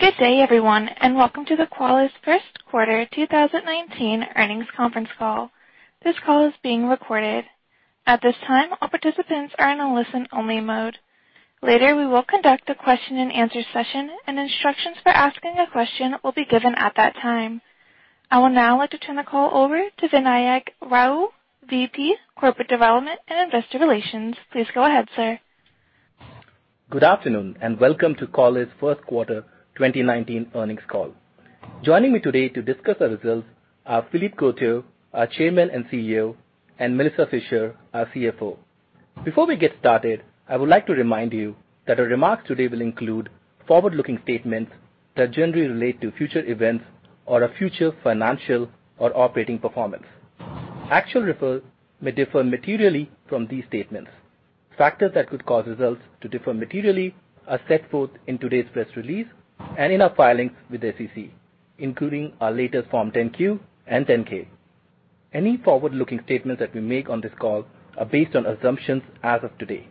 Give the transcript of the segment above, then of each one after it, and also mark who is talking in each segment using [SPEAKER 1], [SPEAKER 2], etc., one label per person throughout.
[SPEAKER 1] Good day, everyone. Welcome to the Qualys first quarter 2019 earnings conference call. This call is being recorded. At this time, all participants are in a listen-only mode. Later, we will conduct a question and answer session. Instructions for asking a question will be given at that time. I would now like to turn the call over to Vinayak Rao, VP of Corporate Development and Investor Relations. Please go ahead, sir.
[SPEAKER 2] Good afternoon. Welcome to Qualys' first quarter 2019 earnings call. Joining me today to discuss our results are Philippe Courtot, our Chairman and CEO, and Melissa Fisher, our CFO. Before we get started, I would like to remind you that our remarks today will include forward-looking statements that generally relate to future events or our future financial or operating performance. Actual results may differ materially from these statements. Factors that could cause results to differ materially are set forth in today's press release and in our filings with the SEC, including our latest Form 10-Q and 10-K. Any forward-looking statements that we make on this call are based on assumptions as of today.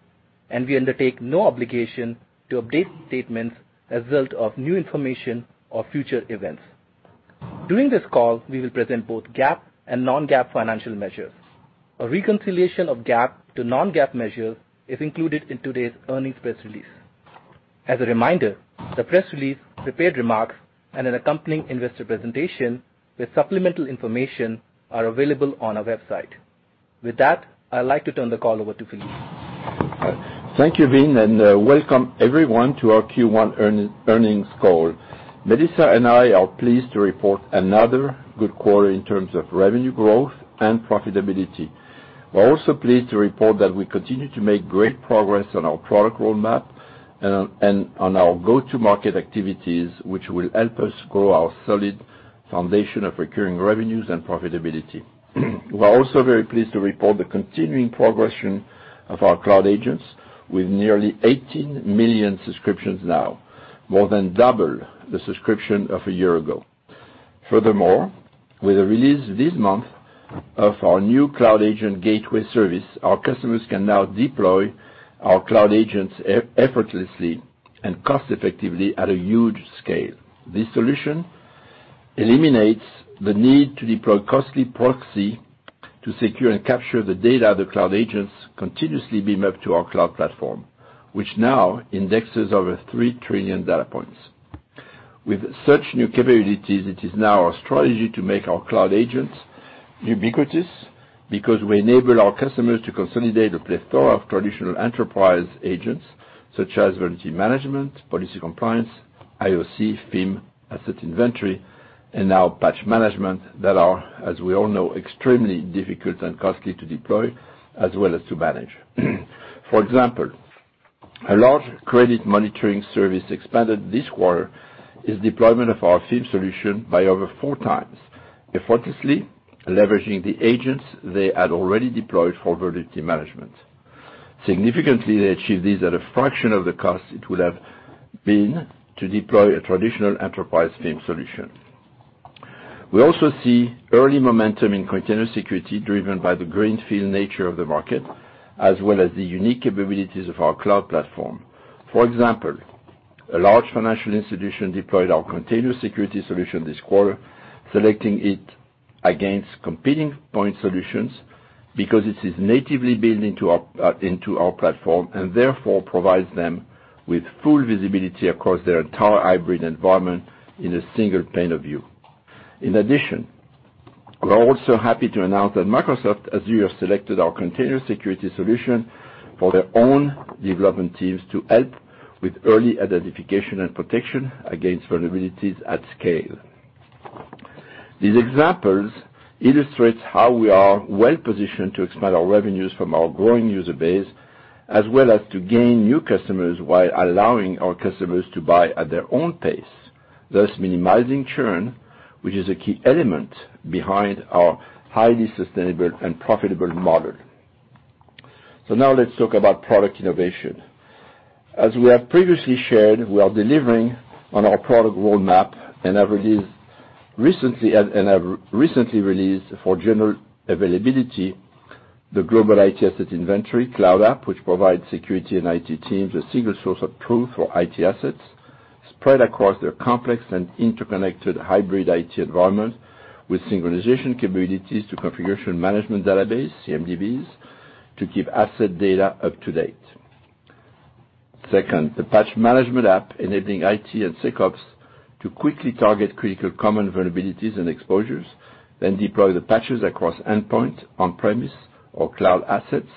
[SPEAKER 2] We undertake no obligation to update statements as a result of new information or future events. During this call, we will present both GAAP and non-GAAP financial measures. A reconciliation of GAAP to non-GAAP measures is included in today's earnings press release. As a reminder, the press release, prepared remarks, and an accompanying investor presentation with supplemental information are available on our website. With that, I'd like to turn the call over to Philippe.
[SPEAKER 3] Thank you, Vin. Welcome everyone to our Q1 earnings call. Melissa and I are pleased to report another good quarter in terms of revenue growth and profitability. We're also pleased to report that we continue to make great progress on our product roadmap and on our go-to-market activities, which will help us grow our solid foundation of recurring revenues and profitability. We are also very pleased to report the continuing progression of our Cloud Agents with nearly 18 million subscriptions now, more than double the subscription of a year ago. Furthermore, with the release this month of our new Qualys Gateway Service, our customers can now deploy our Cloud Agents effortlessly and cost effectively at a huge scale. This solution eliminates the need to deploy costly proxy to secure and capture the data the Cloud Agents continuously beam up to our cloud platform, which now indexes over 3 trillion data points. With such new capabilities, it is now our strategy to make our Cloud Agents ubiquitous, because we enable our customers to consolidate a plethora of traditional enterprise agents such as Vulnerability Management, policy compliance, IOC, FIM, asset inventory, and now Patch Management that are, as we all know, extremely difficult and costly to deploy, as well as to manage. For example, a large credit monitoring service expanded this quarter its deployment of our FIM solution by over four times, effortlessly leveraging the agents they had already deployed for Vulnerability Management. Significantly, they achieved this at a fraction of the cost it would have been to deploy a traditional enterprise FIM solution. We also see early momentum in Container Security driven by the greenfield nature of the market, as well as the unique capabilities of our cloud platform. For example, a large financial institution deployed our Container Security solution this quarter, selecting it against competing point solutions because it is natively built into our platform, and therefore provides them with full visibility across their entire hybrid environment in a single pane of view. In addition, we are also happy to announce that Microsoft Azure selected our Container Security solution for their own development teams to help with early identification and protection against vulnerabilities at scale. These examples illustrate how we are well-positioned to expand our revenues from our growing user base, as well as to gain new customers while allowing our customers to buy at their own pace, thus minimizing churn, which is a key element behind our highly sustainable and profitable model. Now let's talk about product innovation. As we have previously shared, we are delivering on our product roadmap and have recently released for general availability the Global IT Asset Inventory Cloud app, which provides security and IT teams a single source of truth for IT assets spread across their complex and interconnected hybrid IT environment with synchronization capabilities to configuration management database, CMDBs, to keep asset data up to date. Second, the Patch Management app, enabling IT and SecOps to quickly target critical common vulnerabilities and exposures, then deploy the patches across endpoint on-premise or cloud assets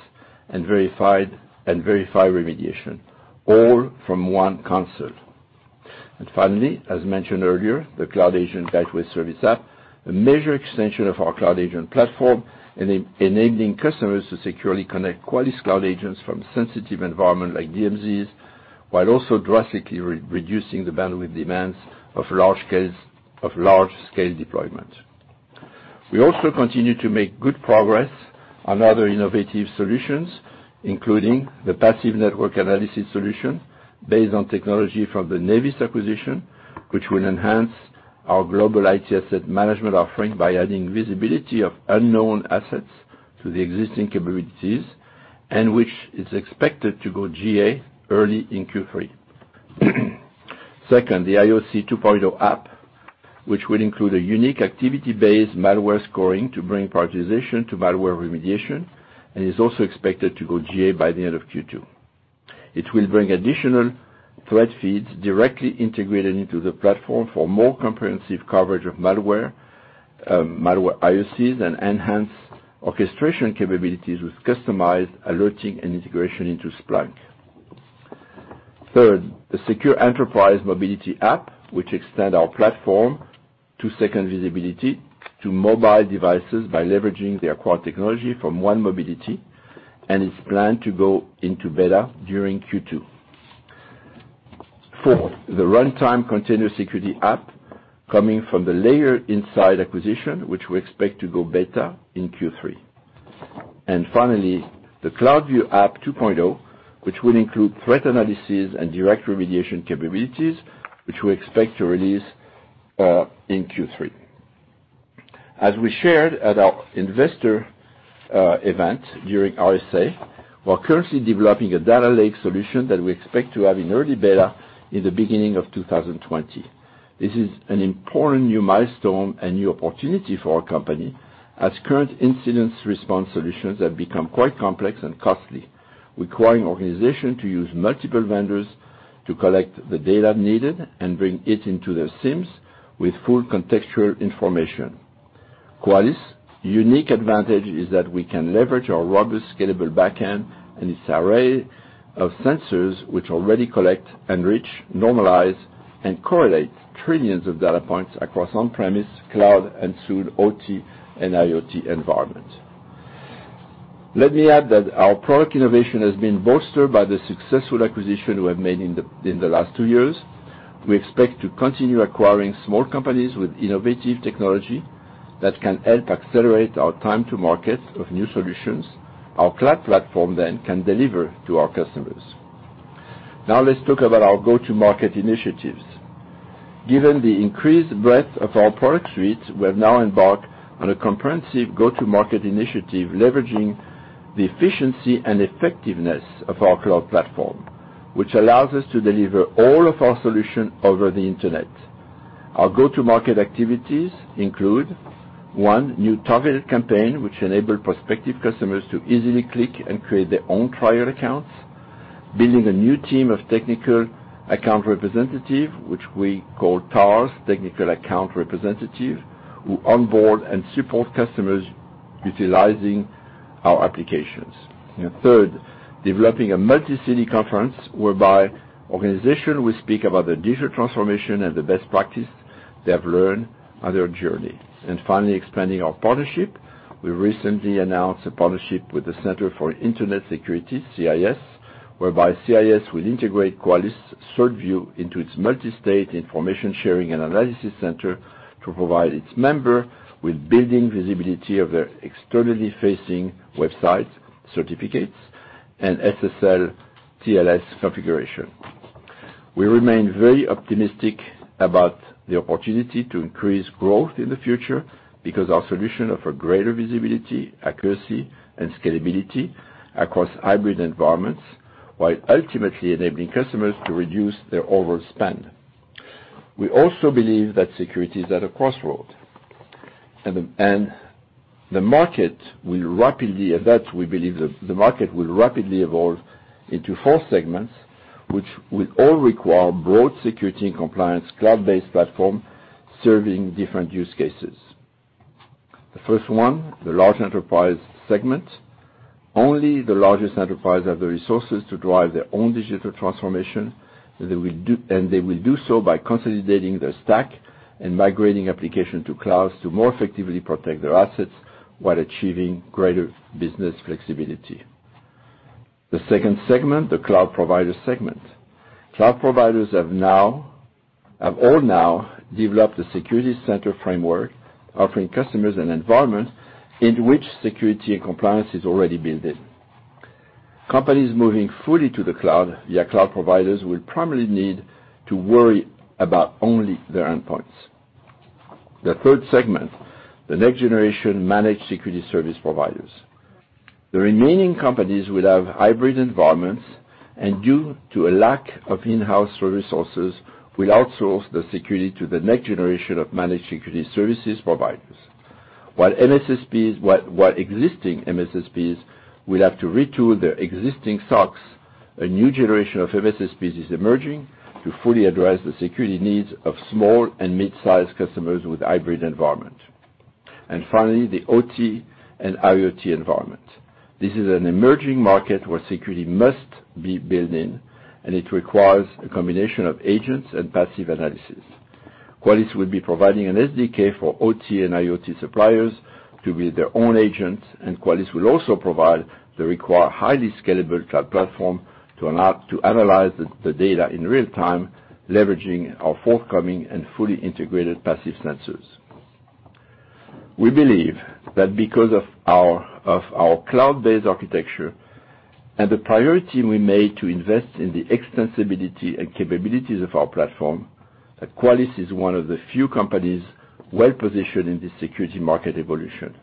[SPEAKER 3] and verify remediation, all from one console. Finally, as mentioned earlier, the Qualys Gateway Service app, a major extension of our Cloud Agent platform, enabling customers to securely connect Qualys Cloud Agents from sensitive environments like DMZs, while also drastically reducing the bandwidth demands of large-scale deployment. We also continue to make good progress on other innovative solutions, including the Passive Network Sensor solution based on technology from the Nevis acquisition, which will enhance our global IT asset management offering by adding visibility of unknown assets to the existing capabilities. Which is expected to go GA early in Q3. Second, the IOC 2.0 app, which will include a unique activity-based malware scoring to bring prioritization to malware remediation, is also expected to go GA by the end of Q2. It will bring additional threat feeds directly integrated into the platform for more comprehensive coverage of malware, IOCs, and enhance orchestration capabilities with customized alerting and integration into Splunk. Third, the secure enterprise mobility app, which extends our platform to secure visibility to mobile devices by leveraging their core technology from 1Mobility, and it's planned to go into beta during Q2. Four, the runtime Container Security app, coming from the Layered Insight acquisition, which we expect to go beta in Q3. Finally, the CloudView app 2.0, which will include threat analysis and direct remediation capabilities, which we expect to release in Q3. As we shared at our investor event during RSA, we're currently developing a data lake solution that we expect to have in early beta in the beginning of 2020. This is an important new milestone and new opportunity for our company as current incident response solutions have become quite complex and costly, requiring organizations to use multiple vendors to collect the data needed and bring it into their SIEMs with full contextual information. Qualys' unique advantage is that we can leverage our robust, scalable backend and its array of sensors which already collect, enrich, normalize, and correlate trillions of data points across on-premise, cloud, and soon OT and IoT environments. Let me add that our product innovation has been bolstered by the successful acquisition we have made in the last two years. We expect to continue acquiring small companies with innovative technology that can help accelerate our time to market of new solutions our cloud platform then can deliver to our customers. Now let's talk about our go-to-market initiatives. Given the increased breadth of our product suite, we have now embarked on a comprehensive go-to-market initiative leveraging the efficiency and effectiveness of our cloud platform, which allows us to deliver all of our solutions over the internet. Our go-to-market activities include, one, new targeted campaigns, which enable prospective customers to easily click and create their own trial accounts. Building a new team of Technical Account Representative, which we call TARs, Technical Account Representative, who onboard and support customers utilizing our applications. Third, developing a multi-city conference whereby organizations will speak about the digital transformation and the best practices they have learned on their journey. Finally, expanding our partnership. We recently announced a partnership with the Center for Internet Security, CIS, whereby CIS will integrate Qualys' CertView into its Multi-State Information Sharing and Analysis Center to provide its members with building visibility of their externally facing website certificates and SSL TLS configurations. We remain very optimistic about the opportunity to increase growth in the future because our solutions offer greater visibility, accuracy, and scalability across hybrid environments, while ultimately enabling customers to reduce their overall spend. We also believe that security is at a crossroads, and that we believe the market will rapidly evolve into four segments, which will all require broad security and compliance cloud-based platforms serving different use cases. The first one, the large enterprise segment. Only the largest enterprise have the resources to drive their own digital transformation, and they will do so by consolidating their stack and migrating application to clouds to more effectively protect their assets while achieving greater business flexibility. The second segment, the cloud provider segment. Cloud providers have all now developed a security center framework offering customers an environment in which security and compliance is already built in. Companies moving fully to the cloud via cloud providers will primarily need to worry about only their endpoints. The third segment, the next generation managed security service providers. The remaining companies will have hybrid environments, and due to a lack of in-house resources, will outsource the security to the next generation of managed security services providers. While existing MSSPs will have to retool their existing stocks, a new generation of MSSPs is emerging to fully address the security needs of small and mid-size customers with hybrid environment. Finally, the OT and IoT environment. This is an emerging market where security must be built in, and it requires a combination of agents and passive analysis. Qualys will be providing an SDK for OT and IoT suppliers to build their own agent, and Qualys will also provide the required highly scalable cloud platform to analyze the data in real time, leveraging our forthcoming and fully integrated passive sensors. We believe that because of our cloud-based architecture and the priority we made to invest in the extensibility and capabilities of our platformQualys is one of the few companies well-positioned in the security market evolution.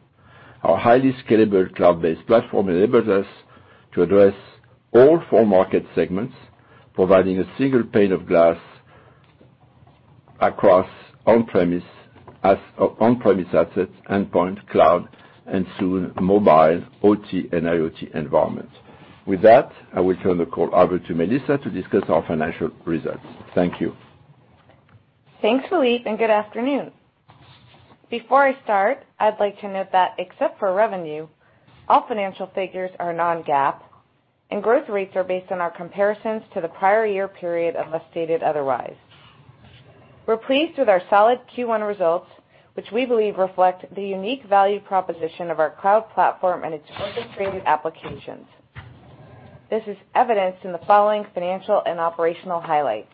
[SPEAKER 3] Our highly scalable cloud-based platform enables us to address all four market segments, providing a single pane of glass across on-premise assets, endpoint cloud, and soon mobile OT and IoT environments. With that, I will turn the call over to Melissa to discuss our financial results. Thank you.
[SPEAKER 4] Thanks, Philippe, and good afternoon. Before I start, I'd like to note that except for revenue, all financial figures are non-GAAP, and growth rates are based on our comparisons to the prior year period unless stated otherwise. We're pleased with our solid Q1 results, which we believe reflect the unique value proposition of our cloud platform and its orchestrated applications. This is evidenced in the following financial and operational highlights.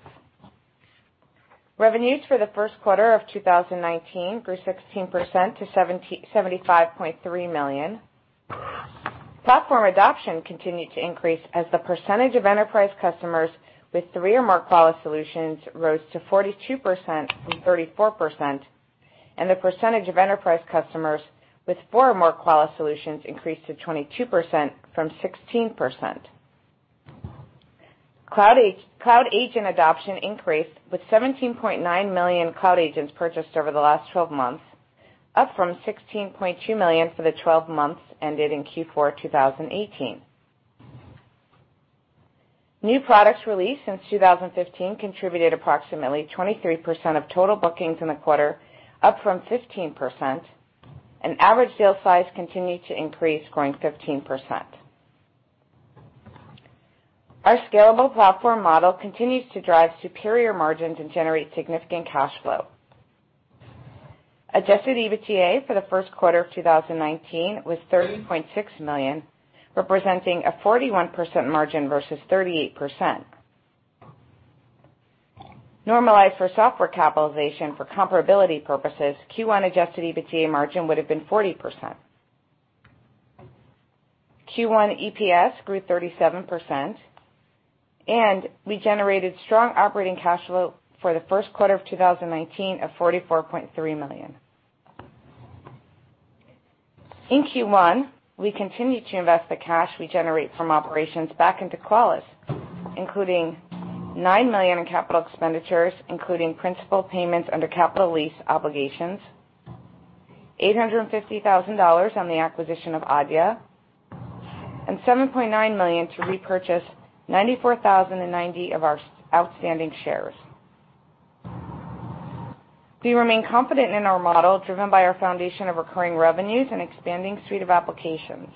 [SPEAKER 4] Revenues for the first quarter of 2019 grew 16% to $75.3 million. Platform adoption continued to increase as the percentage of enterprise customers with three or more Qualys solutions rose to 42% from 34%, and the percentage of enterprise customers with four or more Qualys solutions increased to 22% from 16%. Cloud Agent adoption increased with 17.9 million cloud agents purchased over the last 12 months, up from 16.2 million for the 12 months ended in Q4 2018. New products released since 2015 contributed approximately 23% of total bookings in the quarter, up from 15%, and average sale size continued to increase, growing 15%. Our scalable platform model continues to drive superior margins and generate significant cash flow. Adjusted EBITDA for the first quarter of 2019 was $30.6 million, representing a 41% margin versus 38%. Normalized for software capitalization for comparability purposes, Q1 adjusted EBITDA margin would've been 40%. Q1 EPS grew 37%, and we generated strong operating cash flow for the first quarter of 2019 of $44.3 million. In Q1, we continued to invest the cash we generate from operations back into Qualys, including $9 million in capital expenditures, including principal payments under capital lease obligations, $850,000 on the acquisition of Adya, and $7.9 million to repurchase 94,090 of our outstanding shares. We remain confident in our model, driven by our foundation of recurring revenues and expanding suite of applications.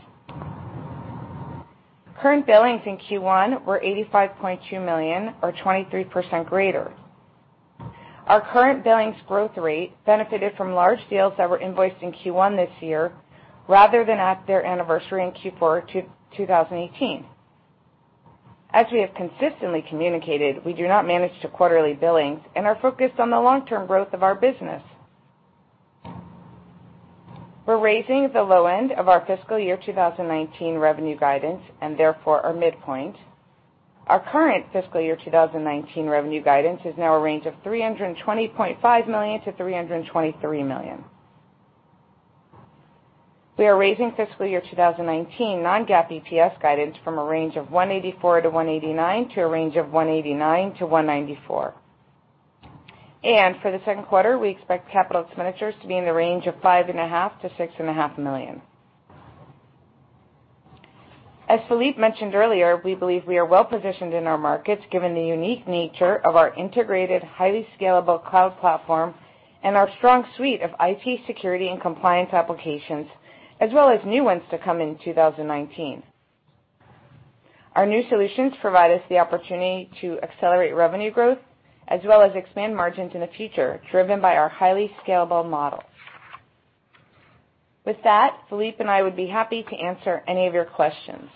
[SPEAKER 4] Current billings in Q1 were $85.2 million, or 23% greater. Our current billings growth rate benefited from large deals that were invoiced in Q1 this year, rather than at their anniversary in Q4 2018. As we have consistently communicated, we do not manage to quarterly billings and are focused on the long-term growth of our business. We're raising the low end of our fiscal year 2019 revenue guidance, and therefore our midpoint. Our current fiscal year 2019 revenue guidance is now a range of $320.5 million-$323 million. We are raising fiscal year 2019 non-GAAP EPS guidance from a range of $184-$189 to a range of $189-$194. For the second quarter, we expect capital expenditures to be in the range of $5.5 million-$6.5 million. As Philippe mentioned earlier, we believe we are well-positioned in our markets given the unique nature of our integrated, highly scalable cloud platform and our strong suite of IT security and compliance applications, as well as new ones to come in 2019. Our new solutions provide us the opportunity to accelerate revenue growth as well as expand margins in the future, driven by our highly scalable model. With that, Philippe and I would be happy to answer any of your questions.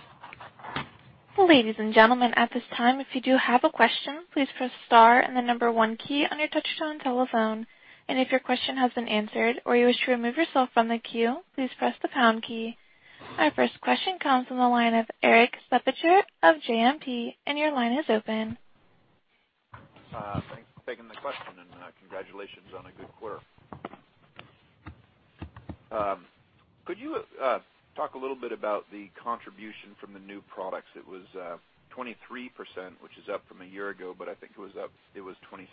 [SPEAKER 1] Ladies and gentlemen, at this time, if you do have a question, please press star and the number one key on your touch-tone telephone. If your question has been answered or you wish to remove yourself from the queue, please press the pound key. Our first question comes from the line of Erik Suppiger of JMP, your line is open.
[SPEAKER 5] Thanks for taking the question, and congratulations on a good quarter. Could you talk a little bit about the contribution from the new products? It was 23%, which is up from a year-over-year, but I think it was 26%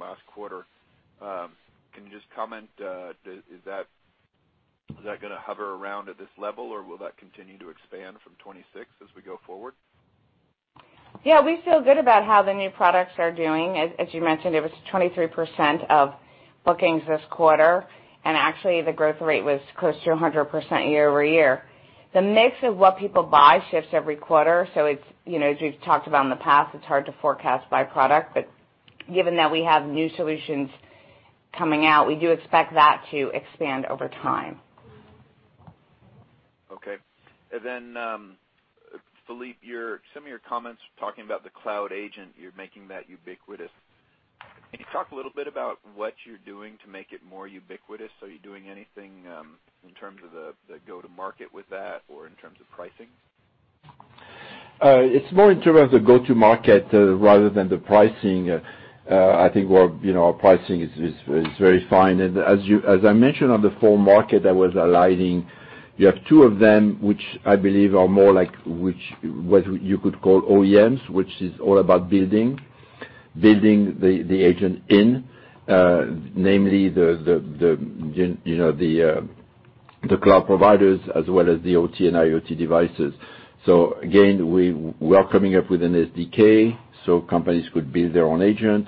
[SPEAKER 5] last quarter. Can you just comment, is that going to hover around at this level, or will that continue to expand from 26 as we go forward?
[SPEAKER 4] Yeah, we feel good about how the new products are doing. As you mentioned, it was 23% of bookings this quarter, actually the growth rate was close to 100% year-over-year. The mix of what people buy shifts every quarter, as we've talked about in the past, it's hard to forecast by product. Given that we have new solutions coming out, we do expect that to expand over time.
[SPEAKER 5] Okay. Philippe, some of your comments talking about the Cloud Agent, you're making that ubiquitous. Can you talk a little bit about what you're doing to make it more ubiquitous? Are you doing anything in terms of the go-to-market with that or in terms of pricing?
[SPEAKER 3] It's more in terms of go-to-market rather than the pricing. I think our pricing is very fine. As I mentioned on the full market, I was aligning, you have two of them, which I believe are more like what you could call OEMs, which is all about building the agent in, namely the cloud providers as well as the OT and IoT devices. Again, we are coming up with an SDK, companies could build their own agent.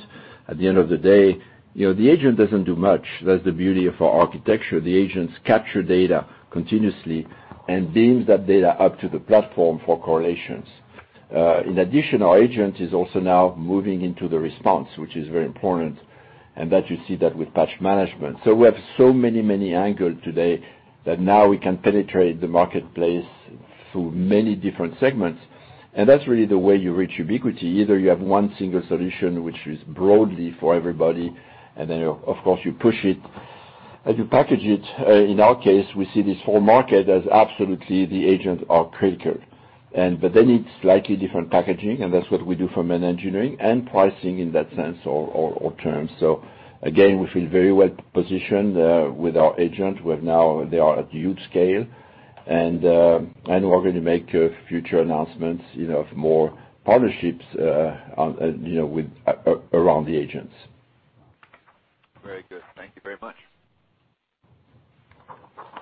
[SPEAKER 3] At the end of the day, the agent doesn't do much. That's the beauty of our architecture. The agents capture data continuously and beams that data up to the platform for correlations. In addition, our agent is also now moving into the response, which is very important, and that you see that with Patch Management. We have so many angles today that now we can penetrate the marketplace through many different segments. That's really the way you reach ubiquity. Either you have one single solution, which is broadly for everybody, then of course, you push it. As you package it, in our case, we see this whole market as absolutely the agents are critical. They need slightly different packaging, that's what we do from an engineering and pricing in that sense or terms. Again, we feel very well-positioned, with our agent, where now they are at huge scale. We're going to make future announcements of more partnerships around the agents.
[SPEAKER 5] Very good. Thank you very much.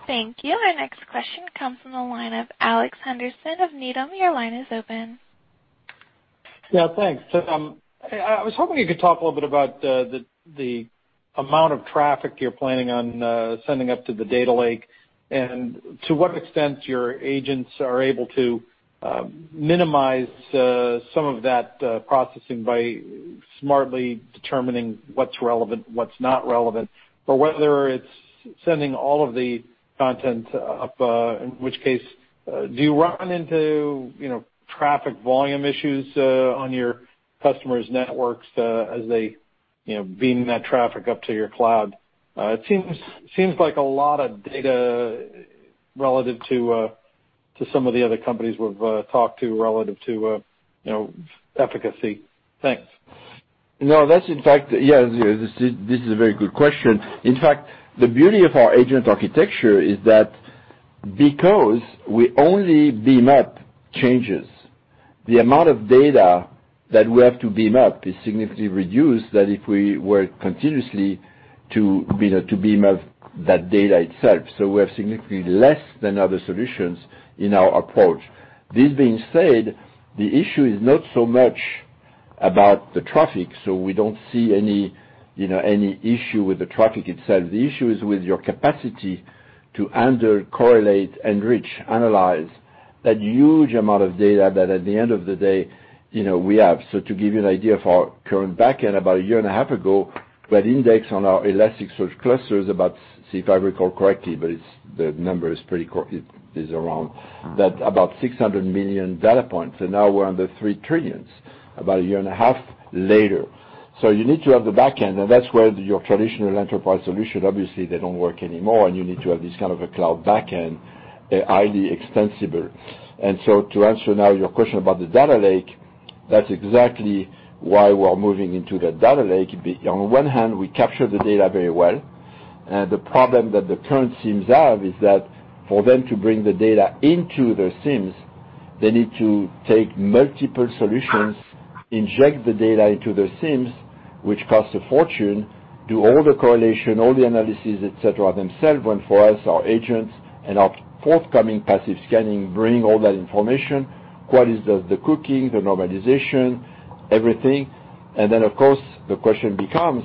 [SPEAKER 1] Thank you. Our next question comes from the line of Alex Henderson of Needham. Your line is open.
[SPEAKER 6] Thanks. I was hoping you could talk a little bit about the amount of traffic you're planning on sending up to the data lake and to what extent your agents are able to minimize some of that processing by smartly determining what's relevant, what's not relevant, or whether it's sending all of the content up, in which case, do you run into traffic volume issues on your customers' networks as they beam that traffic up to your cloud? It seems like a lot of data relative to some of the other companies we've talked to relative to efficacy. Thanks.
[SPEAKER 3] No, that's in fact, this is a very good question. In fact, the beauty of our agent architecture is that because we only beam up changes, the amount of data that we have to beam up is significantly reduced than if we were continuously to beam up that data itself. We have significantly less than other solutions in our approach. This being said, the issue is not so much about the traffic. We don't see any issue with the traffic itself. The issue is with your capacity to under correlate, enrich, analyze that huge amount of data that at the end of the day, we have. To give you an idea of our current back-end, about a year and a half ago, we had index on our Elasticsearch clusters about, see if I recall correctly, but the number is around about 600 million data points, and now we're under 3 trillion, about a year and a half later. You need to have the back end, and that's where your traditional enterprise solution, obviously, they don't work anymore, and you need to have this kind of a cloud back end, highly extensible. To answer now your question about the data lake, that's exactly why we're moving into the data lake. On one hand, we capture the data very well. The problem that the current SIEMs have is that for them to bring the data into their SIEMs, they need to take multiple solutions, inject the data into their SIEMs, which costs a fortune, do all the correlation, all the analysis, et cetera, themselves. When for us, our agents and our forthcoming passive scanning bring all that information. Qualys does the cooking, the normalization, everything. Then, of course, the question becomes,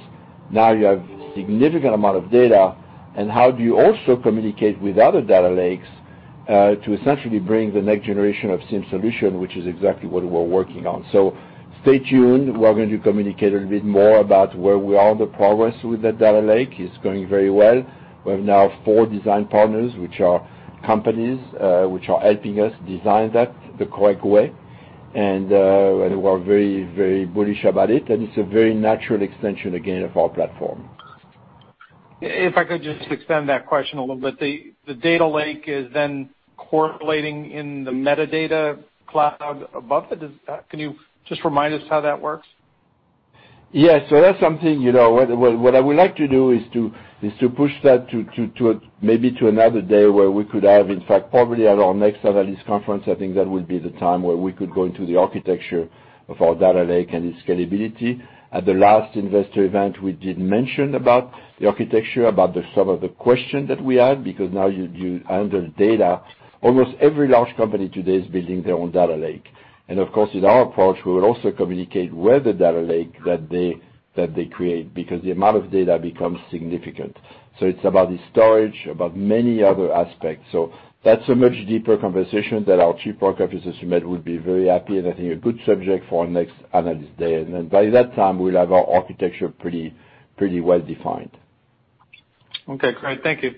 [SPEAKER 3] now you have significant amount of data, and how do you also communicate with other data lakes, to essentially bring the next generation of SIEM solution, which is exactly what we're working on. Stay tuned. We are going to communicate a bit more about where we are on the progress with that data lake. It's going very well. We have now four design partners, which are companies, which are helping us design that the correct way. We are very, very bullish about it, and it's a very natural extension, again, of our platform.
[SPEAKER 6] If I could just extend that question a little bit. The data lake is then correlating in the metadata cloud above it. Can you just remind us how that works?
[SPEAKER 3] Yes. That's something, what I would like to do is to push that maybe to another day where we could have, in fact, probably at our next analyst conference, I think that would be the time where we could go into the architecture of our data lake and its scalability. At the last investor event, we did mention about the architecture, about some of the questions that we had, because now you handle data. Almost every large company today is building their own data lake. Of course, in our approach, we will also communicate where the data lake that they create, because the amount of data becomes significant. It's about the storage, about many other aspects. That's a much deeper conversation that our Chief Product Officer, Sumedh, would be very happy, and I think a good subject for our next analyst day. By that time, we'll have our architecture pretty well-defined.
[SPEAKER 6] Okay, great. Thank you.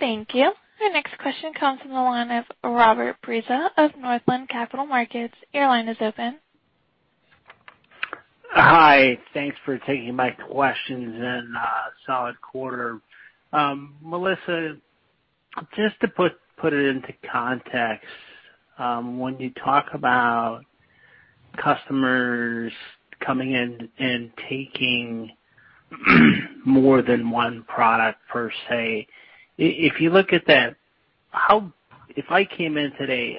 [SPEAKER 1] Thank you. Our next question comes from the line of Robert Breza of Northland Capital Markets. Your line is open.
[SPEAKER 7] Hi. Thanks for taking my questions in a solid quarter. Melissa, just to put it into context, when you talk about customers coming in and taking more than one product per se, if you look at that, if I came in today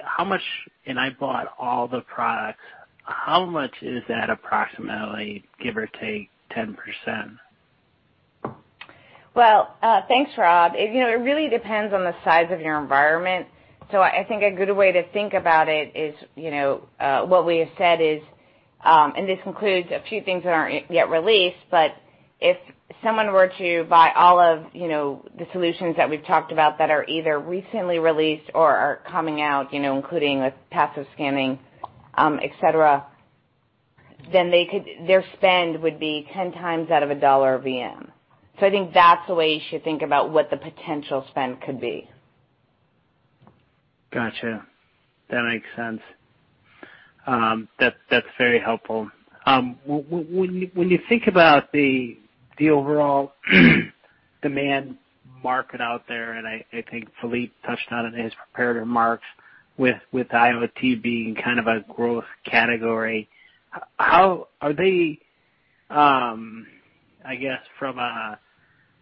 [SPEAKER 7] and I bought all the products, how much is that approximately, give or take 10%?
[SPEAKER 4] Well, thanks, Rob. It really depends on the size of your environment. I think a good way to think about it is, what we have said is, this includes a few things that aren't yet released, but if someone were to buy all of the solutions that we've talked about that are either recently released or are coming out, including with passive scanning, et cetera, their spend would be 10 times out of a $1 VM. I think that's the way you should think about what the potential spend could be.
[SPEAKER 7] Got you. That makes sense. That's very helpful. When you think about the overall demand market out there, I think Philippe touched on it in his prepared remarks with IoT being kind of a growth category, I guess from an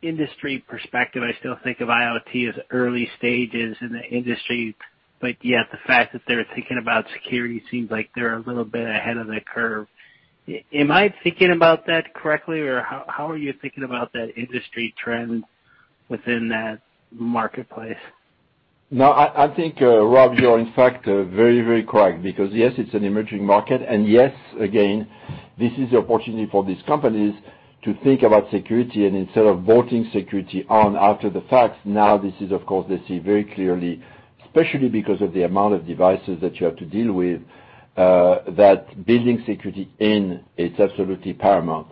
[SPEAKER 7] industry perspective, I still think of IoT as early stages in the industry, yet the fact that they're thinking about security seems like they're a little bit ahead of the curve. Am I thinking about that correctly, or how are you thinking about that industry trend within that marketplace?
[SPEAKER 3] No, I think, Rob, you're in fact very correct because, yes, it's an emerging market, yes, again, this is the opportunity for these companies to think about security and instead of bolting security on after the fact, now this is, of course, they see very clearly, especially because of the amount of devices that you have to deal with, that building security in it's absolutely paramount.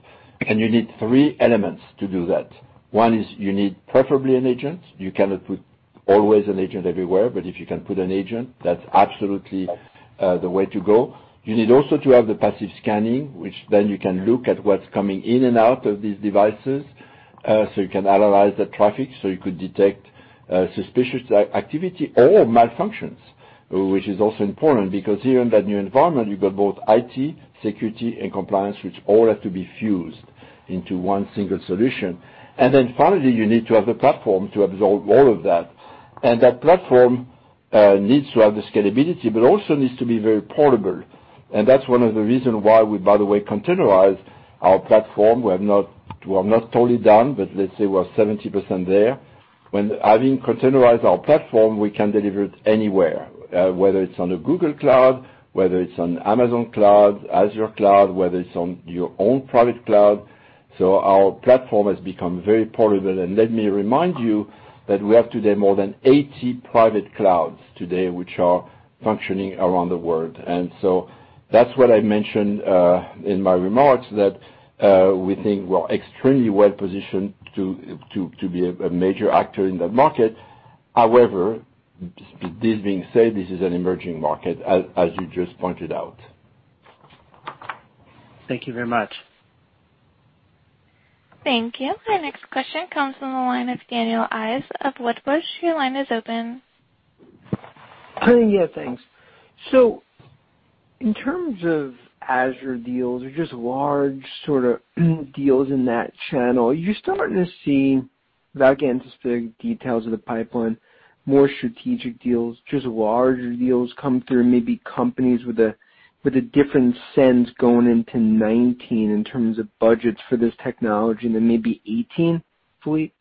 [SPEAKER 3] You need three elements to do that. One is you need preferably an agent. You cannot put always an agent everywhere, but if you can put an agent, that's absolutely the way to go. You need also to have the passive scanning, which then you can look at what's coming in and out of these devices, so you can analyze the traffic, so you could detect suspicious activity or malfunctions, which is also important because here in that new environment, you've got both IT, security, and compliance, which all have to be fused into one single solution. Finally, you need to have the platform to absorb all of that. That platform needs to have the scalability, but also needs to be very portable. That's one of the reason why we, by the way, containerize our platform. We have not totally done, but let's say we're 70% there. When having containerized our platform, we can deliver it anywhere, whether it's on a Google cloud, whether it's on Amazon cloud, Azure cloud, whether it's on your own private cloud. Our platform has become very portable. Let me remind you that we have today more than 80 private clouds today, which are functioning around the world. That's what I mentioned, in my remarks that we think we're extremely well-positioned to be a major actor in that market. However, this being said, this is an emerging market as you just pointed out.
[SPEAKER 7] Thank you very much.
[SPEAKER 1] Thank you. Our next question comes from the line of Daniel Ives of Wedbush. Your line is open.
[SPEAKER 8] Yeah, thanks. In terms of Azure deals or just large sort of deals in that channel, are you starting to see, without getting into specific details of the pipeline, more strategic deals, just larger deals come through, maybe companies with a different sense going into 2019 in terms of budgets for this technology than maybe 2018, Philippe?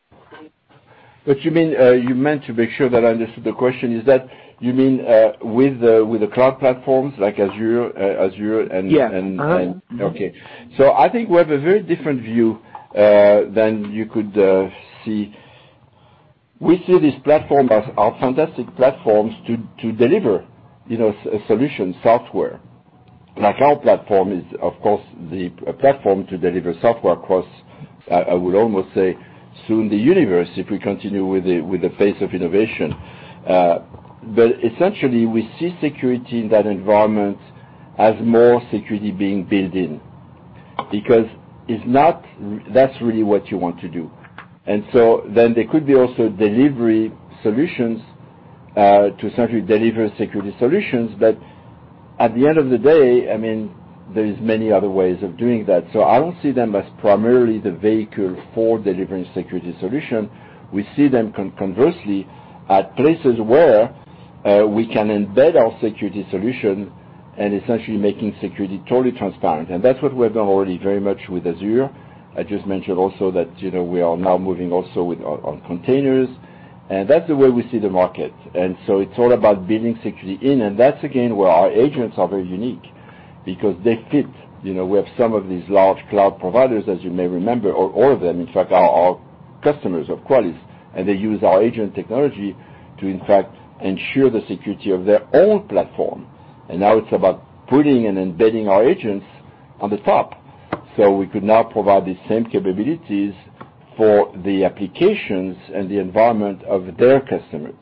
[SPEAKER 3] You meant, to make sure that I understood the question, is that you mean, with the cloud platforms like Azure?
[SPEAKER 8] Yeah. Mm-hmm.
[SPEAKER 3] I think we have a very different view than you could see. We see these platforms as fantastic platforms to deliver solution software. Like our platform is, of course, the platform to deliver software across, I would almost say, soon the universe, if we continue with the pace of innovation. Essentially, we see security in that environment as more security being built in, because if not, that's really what you want to do. Then there could be also delivery solutions, to essentially deliver security solutions. At the end of the day, there is many other ways of doing that. I don't see them as primarily the vehicle for delivering security solution. We see them conversely at places where we can embed our security solution and essentially making security totally transparent. That's what we've done already very much with Azure. I just mentioned also that we are now moving also with on containers, That's the way we see the market. It's all about building security in, That's again, where our agents are very unique because they fit. We have some of these large cloud providers, as you may remember, or all of them, in fact, are customers of Qualys, and they use our agent technology to in fact ensure the security of their own platform. Now it's about putting and embedding our agents on the top. We could now provide the same capabilities for the applications and the environment of their customers.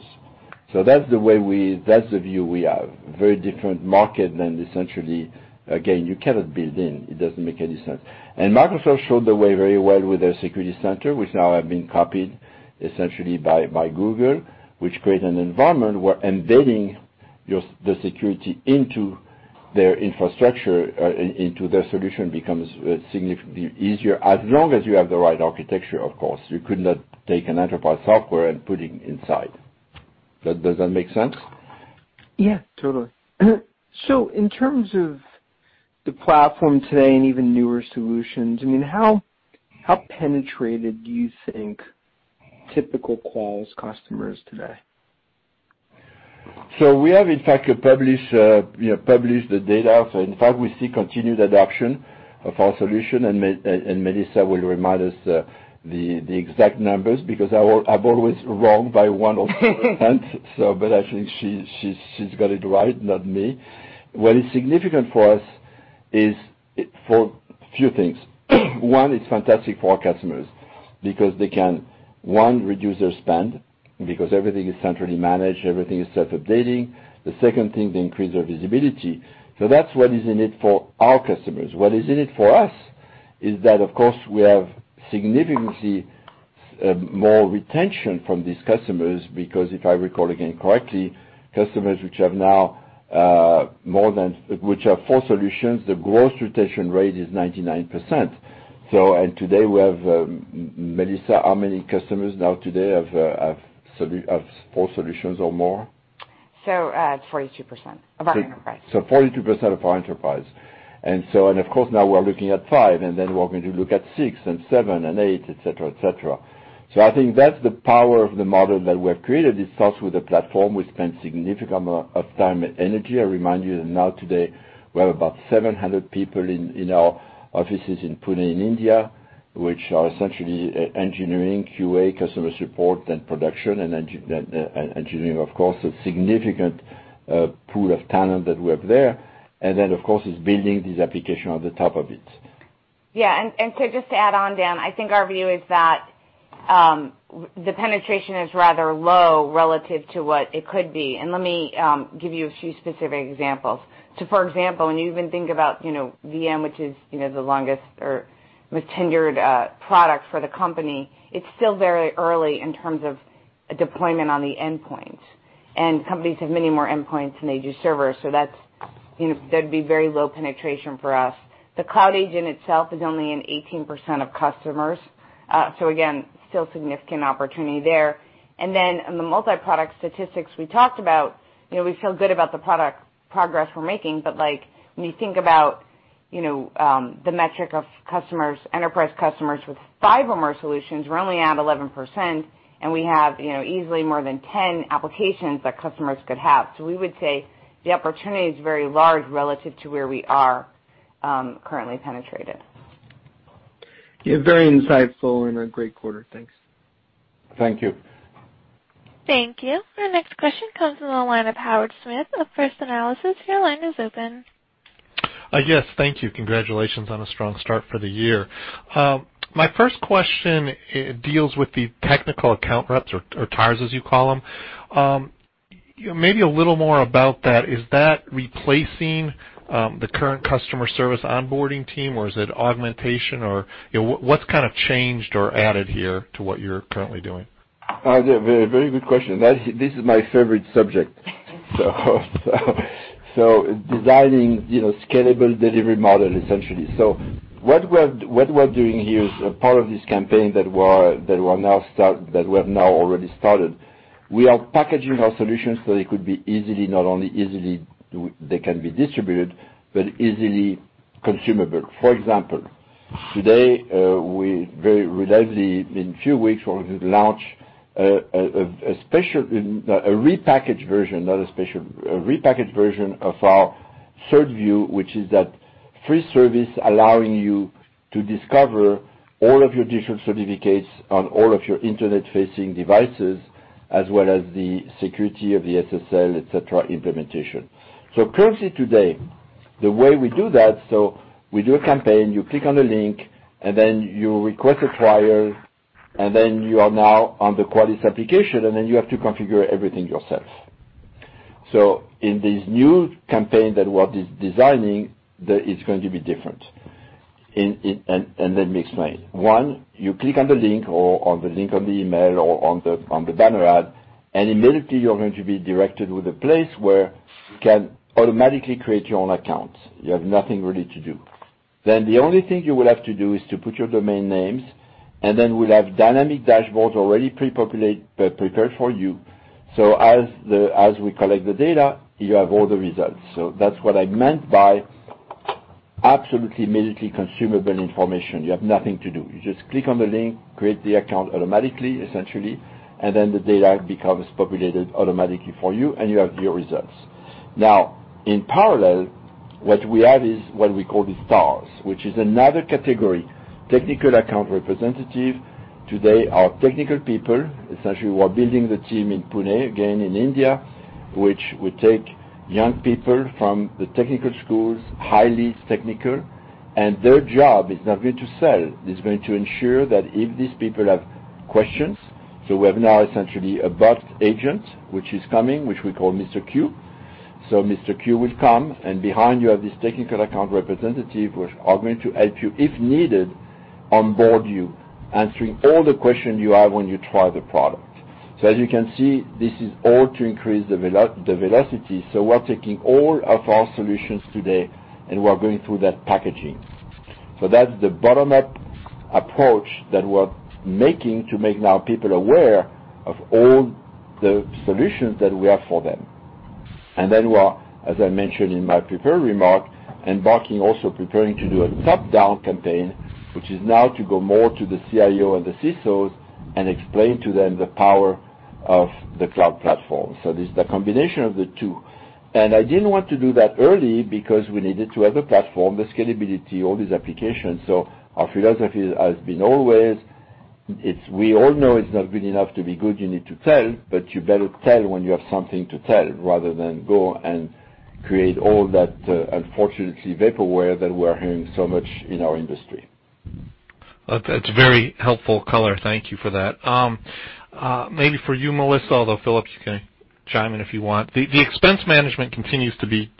[SPEAKER 3] That's the view we have. Very different market than essentially, again, you cannot build in. It doesn't make any sense. Microsoft showed the way very well with their security center, which now have been copied essentially by Google, which create an environment where embedding the security into their infrastructure, into their solution becomes significantly easier, as long as you have the right architecture, of course. You could not take an enterprise software and put it inside. Does that make sense?
[SPEAKER 8] Yeah, totally. In terms of the platform today and even newer solutions, how penetrated do you think typical Qualys customer is today?
[SPEAKER 3] We have, in fact, published the data. In fact, we see continued adoption of our solution, and Melissa will remind us the exact numbers, because I'm always wrong by one or 10%. I think she's got it right, not me. What is significant for us is for a few things. One, it's fantastic for our customers because they can, one, reduce their spend because everything is centrally managed, everything is self-updating. The second thing, they increase their visibility. That's what is in it for our customers. What is in it for us is that, of course, we have significantly more retention from these customers because if I recall again correctly, customers which have now four solutions, the gross retention rate is 99%. Today we have, Melissa, how many customers now today have four solutions or more?
[SPEAKER 4] 42% of our enterprise.
[SPEAKER 3] 42% of our enterprise. Of course, now we're looking at five, and then we're going to look at six and seven and eight, et cetera. I think that's the power of the model that we have created. It starts with a platform. We spend significant amount of time and energy. I remind you that now today we have about 700 people in our offices in Pune, India, which are essentially engineering, QA, customer support and production and engineering, of course, a significant pool of talent that we have there. Then, of course, is building this application on the top of it.
[SPEAKER 4] Yeah. To just add on, Dan, I think our view is that the penetration is rather low relative to what it could be. Let me give you a few specific examples. For example, when you even think about VM, which is the longest or most tenured product for the company, it's still very early in terms of deployment on the endpoint. Companies have many more endpoints than they do servers, so that'd be very low penetration for us. The Cloud Agent itself is only in 18% of customers. Again, still significant opportunity there. Then on the multi-product statistics we talked about, we feel good about the progress we're making, but when you think about the metric of enterprise customers with five or more solutions, we're only at 11%, and we have easily more than 10 applications that customers could have. We would say the opportunity is very large relative to where we are currently penetrated.
[SPEAKER 8] Yeah. Very insightful and a great quarter. Thanks.
[SPEAKER 3] Thank you.
[SPEAKER 1] Thank you. Our next question comes from the line of Howard Smith of First Analysis. Your line is open.
[SPEAKER 9] Yes. Thank you. Congratulations on a strong start for the year. My first question deals with the Technical Account Representatives or TARs, as you call them. Maybe a little more about that. Is that replacing the current customer service onboarding team or is it augmentation or what's kind of changed or added here to what you're currently doing?
[SPEAKER 3] Very good question. This is my favorite subject. Designing scalable delivery model essentially. What we're doing here is a part of this campaign that we have now already started. We are packaging our solutions so they could be easily, not only easily they can be distributed, but easily consumable. For example, today, we very reliably, in few weeks, we're going to launch a repackaged version, not a special, a repackaged version of our CertView, which is that free service allowing you to discover all of your digital certificates on all of your internet-facing devices, as well as the security of the SSL, et cetera, implementation. Currently today, the way we do that, we do a campaign, you click on a link, and then you request a trial, and then you are now on the Qualys application, and then you have to configure everything yourself. In this new campaign that we are designing, it's going to be different. Let me explain. One, you click on the link or on the link on the email or on the banner ad, and immediately you're going to be directed with a place where you can automatically create your own account. You have nothing really to do. The only thing you will have to do is to put your domain names, and then we'll have dynamic dashboards already pre-populated, prepared for you. As we collect the data, you have all the results. That's what I meant by absolutely immediately consumable information. You have nothing to do. You just click on the link, create the account automatically, essentially, and then the data becomes populated automatically for you, and you have your results. In parallel, what we have is what we call the TARs, which is another category, Technical Account Representative. Today, our technical people, essentially we're building the team in Pune again in India. Which would take young people from the technical schools, highly technical, and their job is not going to sell. It's going to ensure that if these people have questions, we have now essentially a bot agent, which is coming, which we call Mr. Q. Mr. Q will come, and behind you have this Technical Account Representative, which are going to help you, if needed, onboard you, answering all the questions you have when you try the product. As you can see, this is all to increase the velocity. We're taking all of our solutions today, and we're going through that packaging. That's the bottom-up approach that we're making to make now people aware of all the solutions that we have for them. We are, as I mentioned in my prepared remark, embarking also preparing to do a top-down campaign, which is now to go more to the CIO and the CSOs and explain to them the power of the cloud platform. This is the combination of the two. I didn't want to do that early because we needed to have a platform, the scalability, all these applications. Our philosophy has been always, we all know it's not good enough to be good, you need to tell, but you better tell when you have something to tell, rather than go and create all that, unfortunately, vaporware that we are hearing so much in our industry.
[SPEAKER 9] That's very helpful color. Thank you for that. Maybe for you, Melissa, although Philippe, you can chime in if you want. The expense management continues to be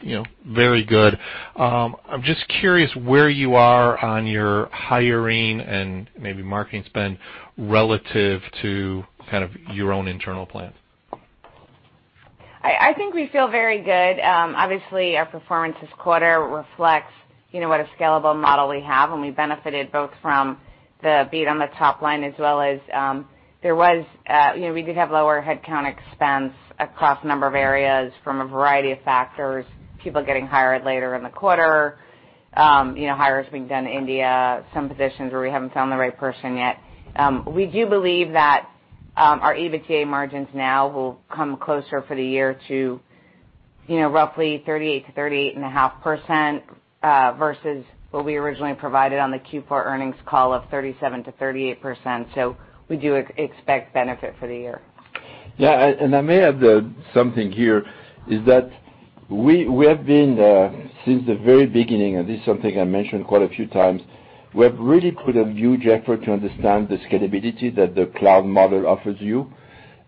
[SPEAKER 9] very good. I'm just curious where you are on your hiring and maybe marketing spend relative to kind of your own internal plan.
[SPEAKER 4] I think we feel very good. Obviously, our performance this quarter reflects what a scalable model we have, and we benefited both from the beat on the top line as well as, we did have lower headcount expense across a number of areas from a variety of factors, people getting hired later in the quarter, hires being done in India, some positions where we haven't found the right person yet. We do believe that our EBITDA margins now will come closer for the year to roughly 38%-38.5% versus what we originally provided on the Q4 earnings call of 37%-38%. We do expect benefit for the year.
[SPEAKER 3] I may add something here is that we have been, since the very beginning, and this is something I mentioned quite a few times, we have really put a huge effort to understand the scalability that the cloud model offers you,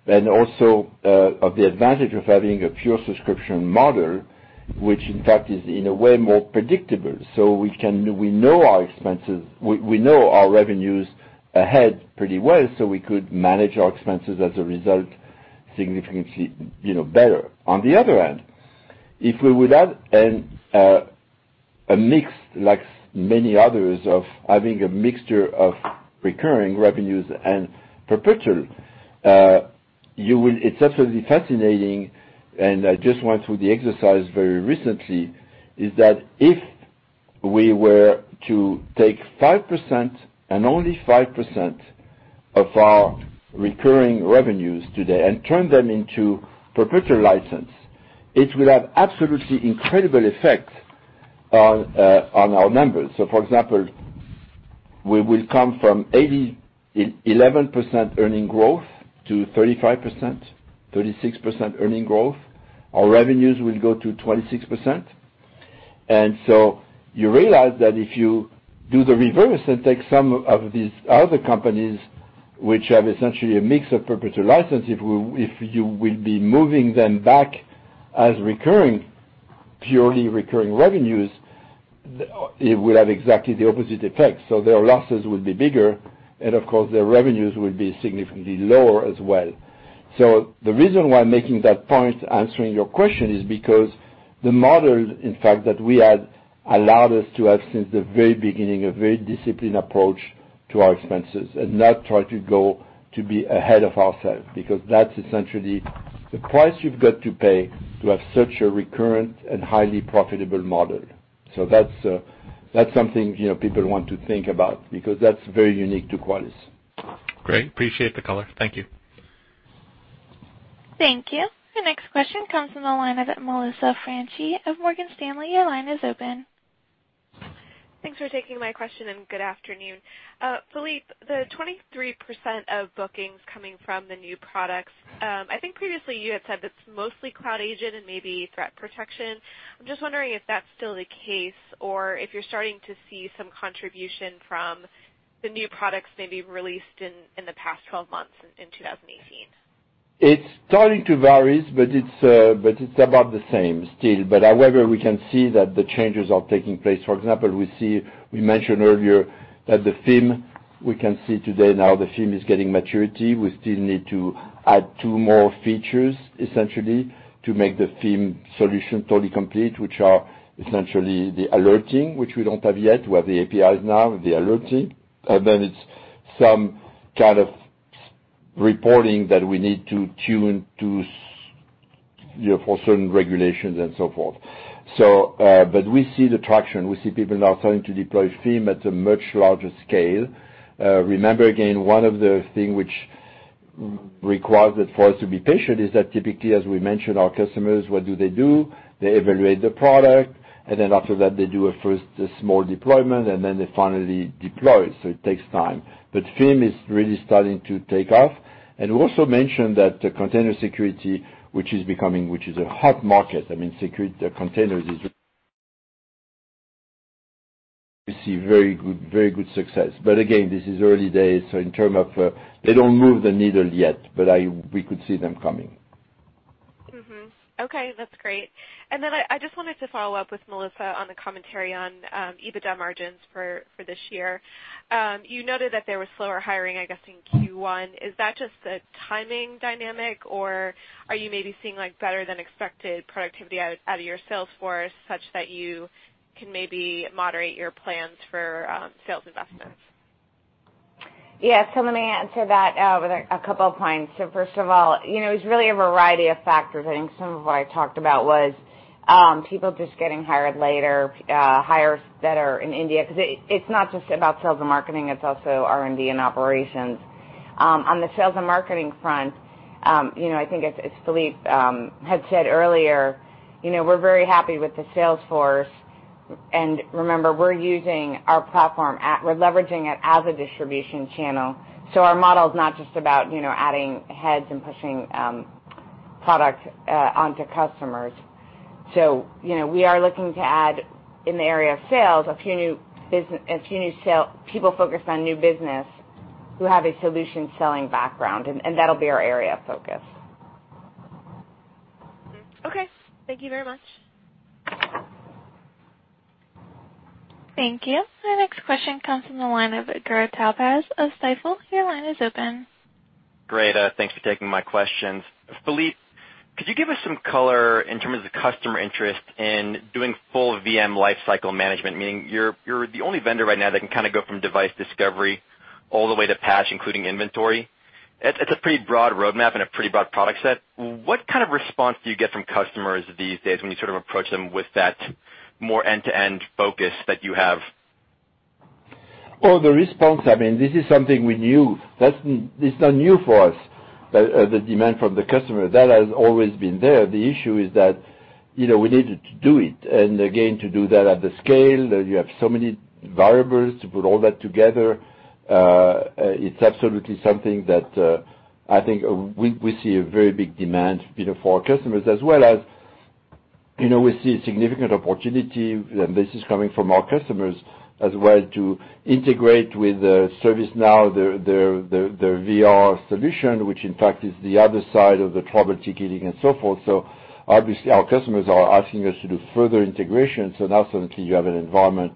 [SPEAKER 3] and also of the advantage of having a pure subscription model, which in fact is in a way more predictable. We know our revenues ahead pretty well, so we could manage our expenses as a result significantly better. On the other hand, if we would add a mix, like many others, of having a mixture of recurring revenues and perpetual, it's absolutely fascinating, and I just went through the exercise very recently, is that if we were to take 5% and only 5% of our recurring revenues today and turn them into perpetual license, it will have absolutely incredible effects on our numbers. For example, we will come from 11% earning growth to 35%, 36% earning growth. Our revenues will go to 26%. You realize that if you do the reverse and take some of these other companies which have essentially a mix of perpetual license, if you will be moving them back as recurring, purely recurring revenues, it will have exactly the opposite effect. Their losses will be bigger, and of course, their revenues will be significantly lower as well. The reason why I'm making that point, answering your question is because the model, in fact, that we had allowed us to have since the very beginning, a very disciplined approach to our expenses and not try to go to be ahead of ourselves, because that's essentially the price you've got to pay to have such a recurrent and highly profitable model. That's something people want to think about because that's very unique to Qualys.
[SPEAKER 9] Great. Appreciate the color. Thank you.
[SPEAKER 1] Thank you. The next question comes from the line of Melissa Franchi of Morgan Stanley. Your line is open.
[SPEAKER 10] Thanks for taking my question, and good afternoon. Philippe, the 23% of bookings coming from the new products, I think previously you had said that it's mostly Cloud Agent and maybe threat protection. I'm just wondering if that's still the case or if you're starting to see some contribution from the new products may be released in the past 12 months in 2018.
[SPEAKER 3] It's starting to vary, but it's about the same still. However, we can see that the changes are taking place. For example, we mentioned earlier that the FIM, we can see today now the FIM is getting maturity. We still need to add two more features, essentially, to make the FIM solution totally complete, which are essentially the alerting, which we don't have yet. We have the APIs now, the alerting. It's some kind of reporting that we need to tune for certain regulations and so forth. We see the traction. We see people now starting to deploy FIM at a much larger scale. Remember, again, one of the things which requires for us to be patient is that typically, as we mentioned, our customers, what do they do? They evaluate the product, and then after that, they do a first small deployment, and then they finally deploy. It takes time. FIM is really starting to take off. Also mention that the Container Security, which is a hot market. Containers. We see very good success. Again, this is early days, so in terms of, they don't move the needle yet, but we could see them coming.
[SPEAKER 10] Okay. That's great. I just wanted to follow up with Melissa on the commentary on EBITDA margins for this year. You noted that there was slower hiring, I guess, in Q1. Is that just a timing dynamic, or are you maybe seeing better-than-expected productivity out of your sales force such that you can maybe moderate your plans for sales investments?
[SPEAKER 4] Yes, let me answer that with a couple of points. First of all, it was really a variety of factors. I think some of what I talked about was people just getting hired later, hires that are in India, because it's not just about sales and marketing, it's also R&D and operations. On the sales and marketing front, I think as Philippe had said earlier, we're very happy with the sales force. Remember, we're using our platform, we're leveraging it as a distribution channel. Our model is not just about adding heads and pushing product onto customers. We are looking to add, in the area of sales, a few new people focused on new business who have a solution-selling background, and that'll be our area of focus.
[SPEAKER 10] Okay. Thank you very much.
[SPEAKER 1] Thank you. Our next question comes from the line of Garrett Talburt of Stifel. Your line is open.
[SPEAKER 11] Great. Thanks for taking my questions. Philippe, could you give us some color in terms of customer interest in doing full VM lifecycle management? Meaning, you're the only vendor right now that can go from device discovery all the way to patch, including inventory. It's a pretty broad roadmap and a pretty broad product set. What kind of response do you get from customers these days when you sort of approach them with that more end-to-end focus that you have?
[SPEAKER 3] Oh, the response, I mean, this is something we knew. It's not new for us, the demand from the customer. That has always been there. The issue is that we needed to do it. Again, to do that at the scale, you have so many variables to put all that together. It's absolutely something that I think we see a very big demand for our customers, as well as we see a significant opportunity, and this is coming from our customers as well, to integrate with ServiceNow, their VR solution, which in fact is the other side of the trouble ticketing and so forth. Obviously, our customers are asking us to do further integration, so now suddenly you have an environment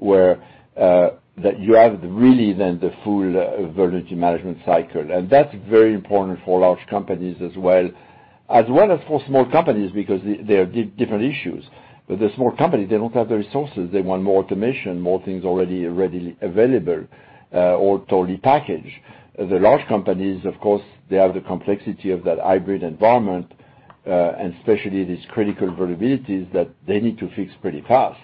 [SPEAKER 3] that you have really then the full vulnerability management cycle. Okay. That's very important for large companies as well, as well as for small companies, because they are different issues. The small company, they don't have the resources. They want more automation, more things already available or totally packaged. The large companies, of course, they have the complexity of that hybrid environment, and especially these critical vulnerabilities that they need to fix pretty fast.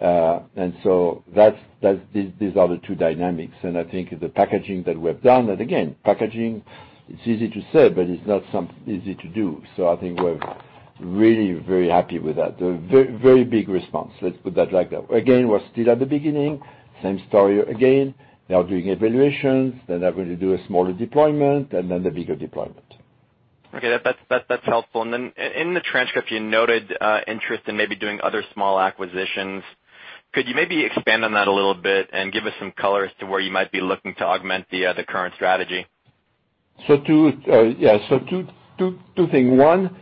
[SPEAKER 3] These are the two dynamics, and I think the packaging that we've done, again, packaging, it's easy to say, but it's not something easy to do. I think we're really very happy with that. Very big response. Let's put that like that. Again, we're still at the beginning, same story again. They are doing evaluations, then they're going to do a smaller deployment, and then the bigger deployment.
[SPEAKER 11] Okay. That's helpful. Then in the transcript, you noted interest in maybe doing other small acquisitions. Could you maybe expand on that a little bit and give us some color as to where you might be looking to augment the current strategy?
[SPEAKER 3] Two things. One,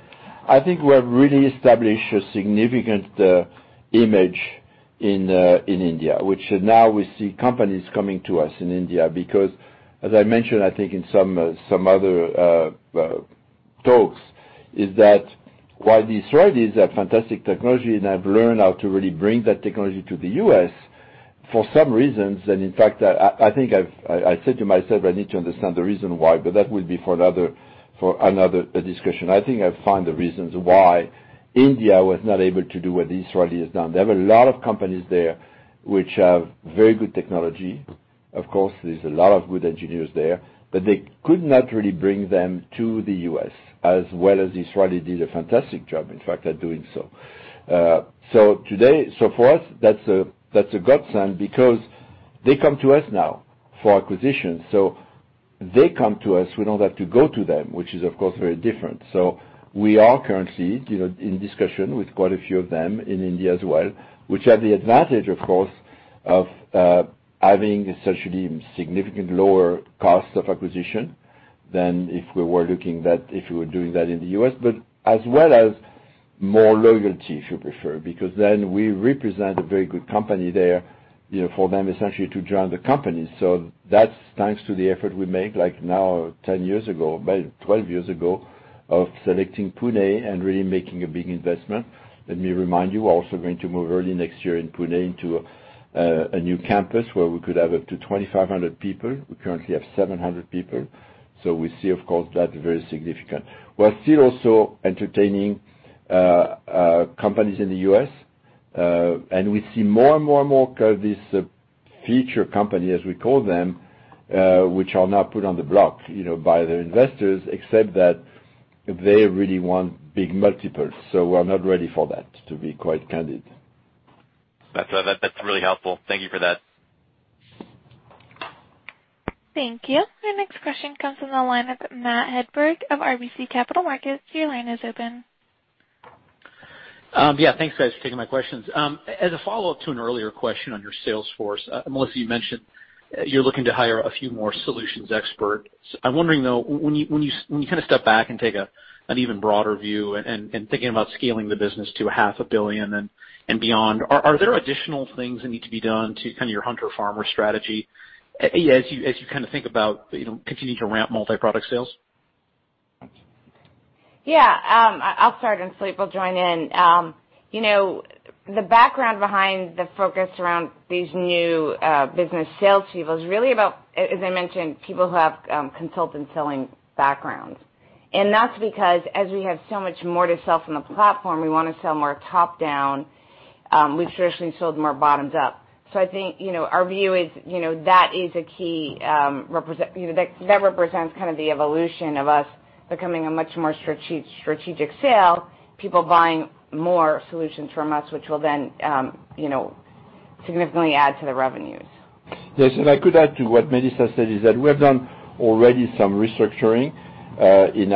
[SPEAKER 3] I think we have really established a significant image in India, which now we see companies coming to us in India because as I mentioned, I think in some other talks, is that while the Israelis have fantastic technology, and have learned how to really bring that technology to the U.S., for some reasons, in fact, I think I said to myself, I need to understand the reason why, that will be for another discussion. I think I find the reasons why India was not able to do what the Israelis done. There were a lot of companies there which have very good technology. Of course, there's a lot of good engineers there, they could not really bring them to the U.S. as well as Israelis did a fantastic job, in fact, at doing so. For us, that's a godsend because they come to us now for acquisitions. They come to us, we don't have to go to them, which is of course very different. We are currently in discussion with quite a few of them in India as well, which have the advantage, of course, of having essentially significant lower cost of acquisition than if we were doing that in the U.S., but as well as more loyalty, if you prefer, because then we represent a very good company there for them essentially to join the company. That's thanks to the effort we make like now, 10 years ago, about 12 years ago, of selecting Pune and really making a big investment. Let me remind you, we're also going to move early next year in Pune into a new campus where we could have up to 2,500 people. We currently have 700 people. We see, of course, that very significant. We're still also entertaining companies in the U.S., and we see more and more of these feature companies, as we call them, which are now put on the block by their investors, except that they really want big multiples, we're not ready for that, to be quite candid.
[SPEAKER 11] That's really helpful. Thank you for that.
[SPEAKER 1] Thank you. Our next question comes from the line of Matthew Hedberg of RBC Capital Markets. Your line is open.
[SPEAKER 12] Thanks, guys, for taking my questions. As a follow-up to an earlier question on your sales force, Melissa, you mentioned you're looking to hire a few more solutions expert. I'm wondering, though, when you kind of step back and take an even broader view and thinking about scaling the business to a half a billion and beyond, are there additional things that need to be done to kind of your hunter farmer strategy, as you think about if you need to ramp multi-product sales?
[SPEAKER 4] I'll start, and Philippe will join in. The background behind the focus around these new business sales people is really about, as I mentioned, people who have consultative selling backgrounds. That's because as we have so much more to sell from the platform, we want to sell more top-down. We've traditionally sold more bottoms up. I think, our view is that represents kind of the evolution of us becoming a much more strategic sale, people buying more solutions from us, which will then significantly add to the revenues.
[SPEAKER 3] Yes, if I could add to what Melissa said, is that we have done already some restructuring in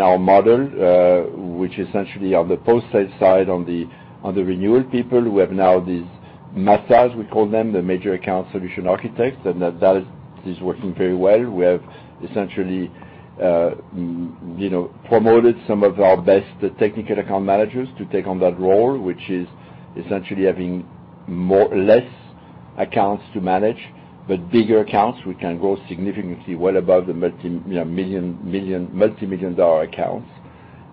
[SPEAKER 3] our model, which essentially on the post-sales side, on the renewal people, we have now these MASA, we call them, the Major Account Solution Architects, and that is working very well. We have essentially promoted some of our best technical account managers to take on that role, which is essentially having less accounts to manage, but bigger accounts we can grow significantly well above the multimillion-dollar accounts.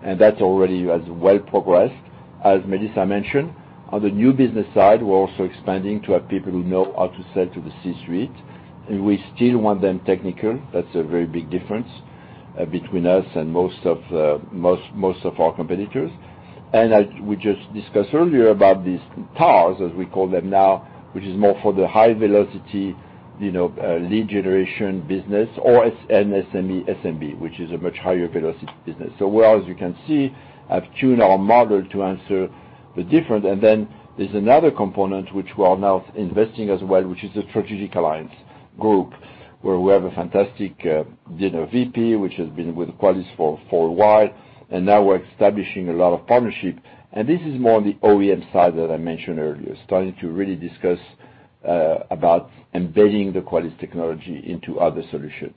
[SPEAKER 3] That already has well progressed. As Melissa mentioned, on the new business side, we're also expanding to have people who know how to sell to the C-suite. We still want them technical. That's a very big difference between us and most of our competitors. As we just discussed earlier about these TARs, as we call them now, which is more for the high velocity, lead generation business or an SME, SMB, which is a much higher velocity business. Well, as you can see, I've tuned our model to answer. Then there's another component which we are now investing as well, which is the strategic alliance group, where we have a fantastic VP, which has been with Qualys for a while, now we're establishing a lot of partnership. This is more on the OEM side that I mentioned earlier, starting to really discuss about embedding the Qualys technology into other solutions,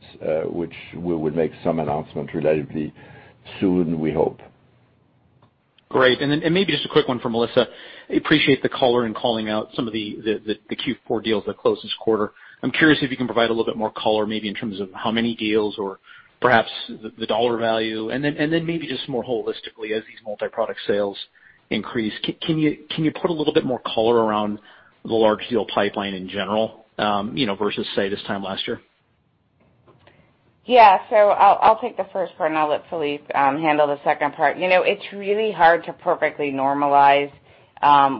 [SPEAKER 3] which we will make some announcement relatively soon, we hope.
[SPEAKER 12] Great. Maybe just a quick one for Melissa. I appreciate the color in calling out some of the Q4 deals that closed this quarter. I'm curious if you can provide a little bit more color, maybe in terms of how many deals or perhaps the $ value, and then maybe just more holistically as these multi-product sales increase, can you put a little bit more color around the large deal pipeline in general, versus, say, this time last year?
[SPEAKER 4] I'll take the first part, and I'll let Philippe handle the second part. It's really hard to perfectly normalize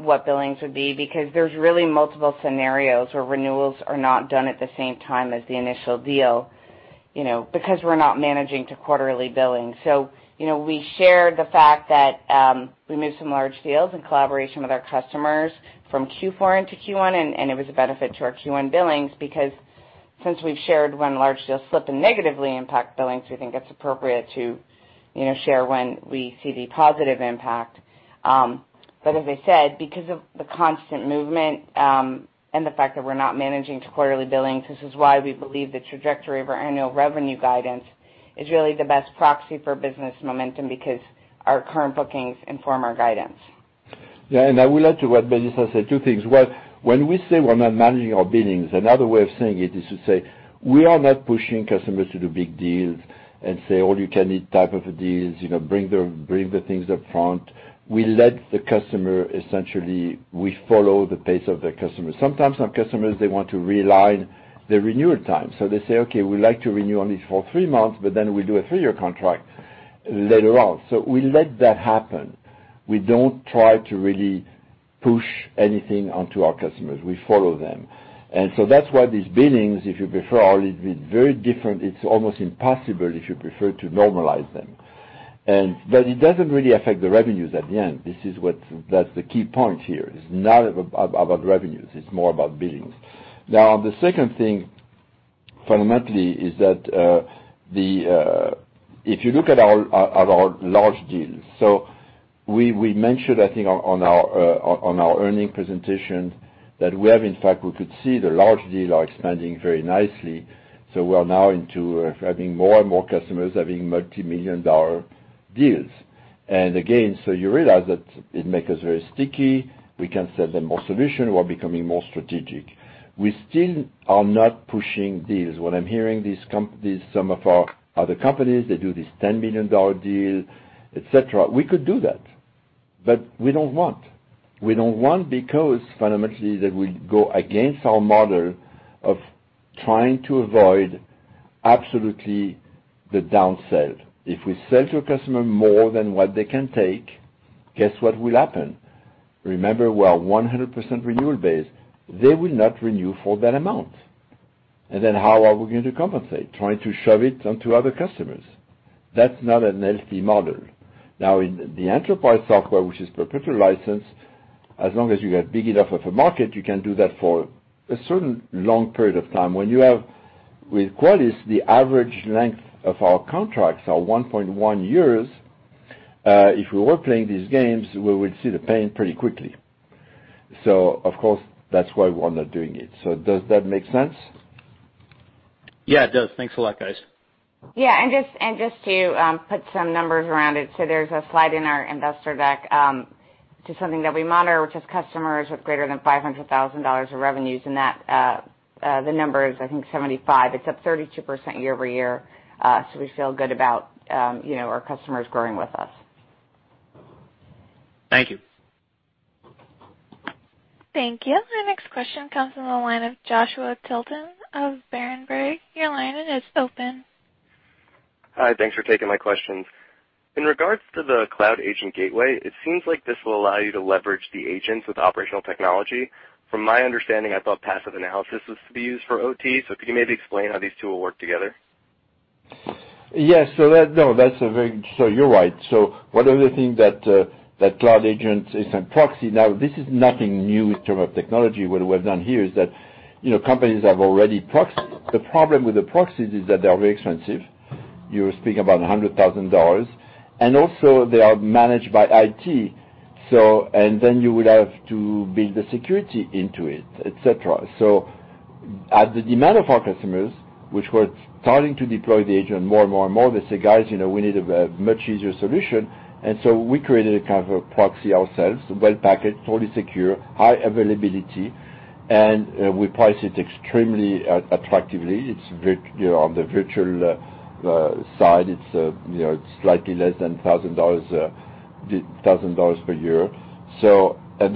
[SPEAKER 4] what billings would be because there's really multiple scenarios where renewals are not done at the same time as the initial deal because we're not managing to quarterly billing. We share the fact that we moved some large deals in collaboration with our customers from Q4 into Q1, and it was a benefit to our Q1 billings because since we've shared when large deals slip and negatively impact billings, we think it's appropriate to share when we see the positive impact. As I said, because of the constant movement, and the fact that we're not managing to quarterly billings, this is why we believe the trajectory of our annual revenue guidance is really the best proxy for business momentum because our current bookings inform our guidance.
[SPEAKER 3] I will add to what Melissa said, two things. One, when we say we're not managing our billings, another way of saying it is to say, we are not pushing customers to do big deals and say all you can eat type of deals, bring the things upfront. We let the customer, essentially, we follow the pace of the customer. Sometimes some customers, they want to realign their renewal time. They say, "Okay, we'd like to renew only for three months, but then we'll do a three-year contract later on." We let that happen. We don't try to really push anything onto our customers. We follow them. That's why these billings, if you prefer, are very different. It's almost impossible, if you prefer, to normalize them. It doesn't really affect the revenues at the end. That's the key point here. It's not about revenues; it's more about billings. Now, the second thing, fundamentally, is that if you look at our large deals. We mentioned, I think, on our earnings presentation that we have, in fact, we could see the large deals are expanding very nicely. We are now into having more and more customers having multimillion-$ deals. You realize that it makes us very sticky. We can sell them more solution. We're becoming more strategic. We still are not pushing deals. What I'm hearing these companies, some of our other companies, they do this $10 million deal, et cetera. We could do that. We don't want. We don't want because fundamentally that will go against our model of trying to avoid absolutely the down-sell. If we sell to a customer more than what they can take, guess what will happen? Remember, we are 100% renewal base. They will not renew for that amount. How are we going to compensate? Trying to shove it onto other customers. That's not a healthy model. In the enterprise software, which is perpetual license, as long as you have big enough of a market, you can do that for a certain long period of time. With Qualys, the average length of our contracts are 1.1 years. If we were playing these games, we would see the pain pretty quickly. Of course, that's why we are not doing it. Does that make sense?
[SPEAKER 12] It does. Thanks a lot, guys.
[SPEAKER 4] Just to put some numbers around it, there's a slide in our investor deck to something that we monitor, which is customers with greater than $500,000 of revenues. The number is, I think, 75. It's up 32% year-over-year. We feel good about our customers growing with us.
[SPEAKER 12] Thank you.
[SPEAKER 1] Thank you. Our next question comes from the line of Joshua Tilton of Berenberg. Your line is open.
[SPEAKER 13] Hi. Thanks for taking my questions. In regards to the Cloud Agent gateway, it seems like this will allow you to leverage the agents with operational technology. From my understanding, I thought Passive Network Sensor was to be used for OT, could you maybe explain how these two will work together?
[SPEAKER 3] Yes. You're right. One of the things that Cloud Agent is a proxy. Now, this is nothing new in terms of technology. What we've done here is that companies have already proxied. The problem with the proxies is that they are very expensive. You're speaking about $100,000, also they are managed by IT. Then you would have to build the security into it, et cetera. At the demand of our customers, which were starting to deploy the agent more and more, they say, "Guys, we need a much easier solution." We created a kind of a proxy ourselves, well-packaged, totally secure, high availability, and we price it extremely attractively. On the virtual side, it's slightly less than $1,000 per year.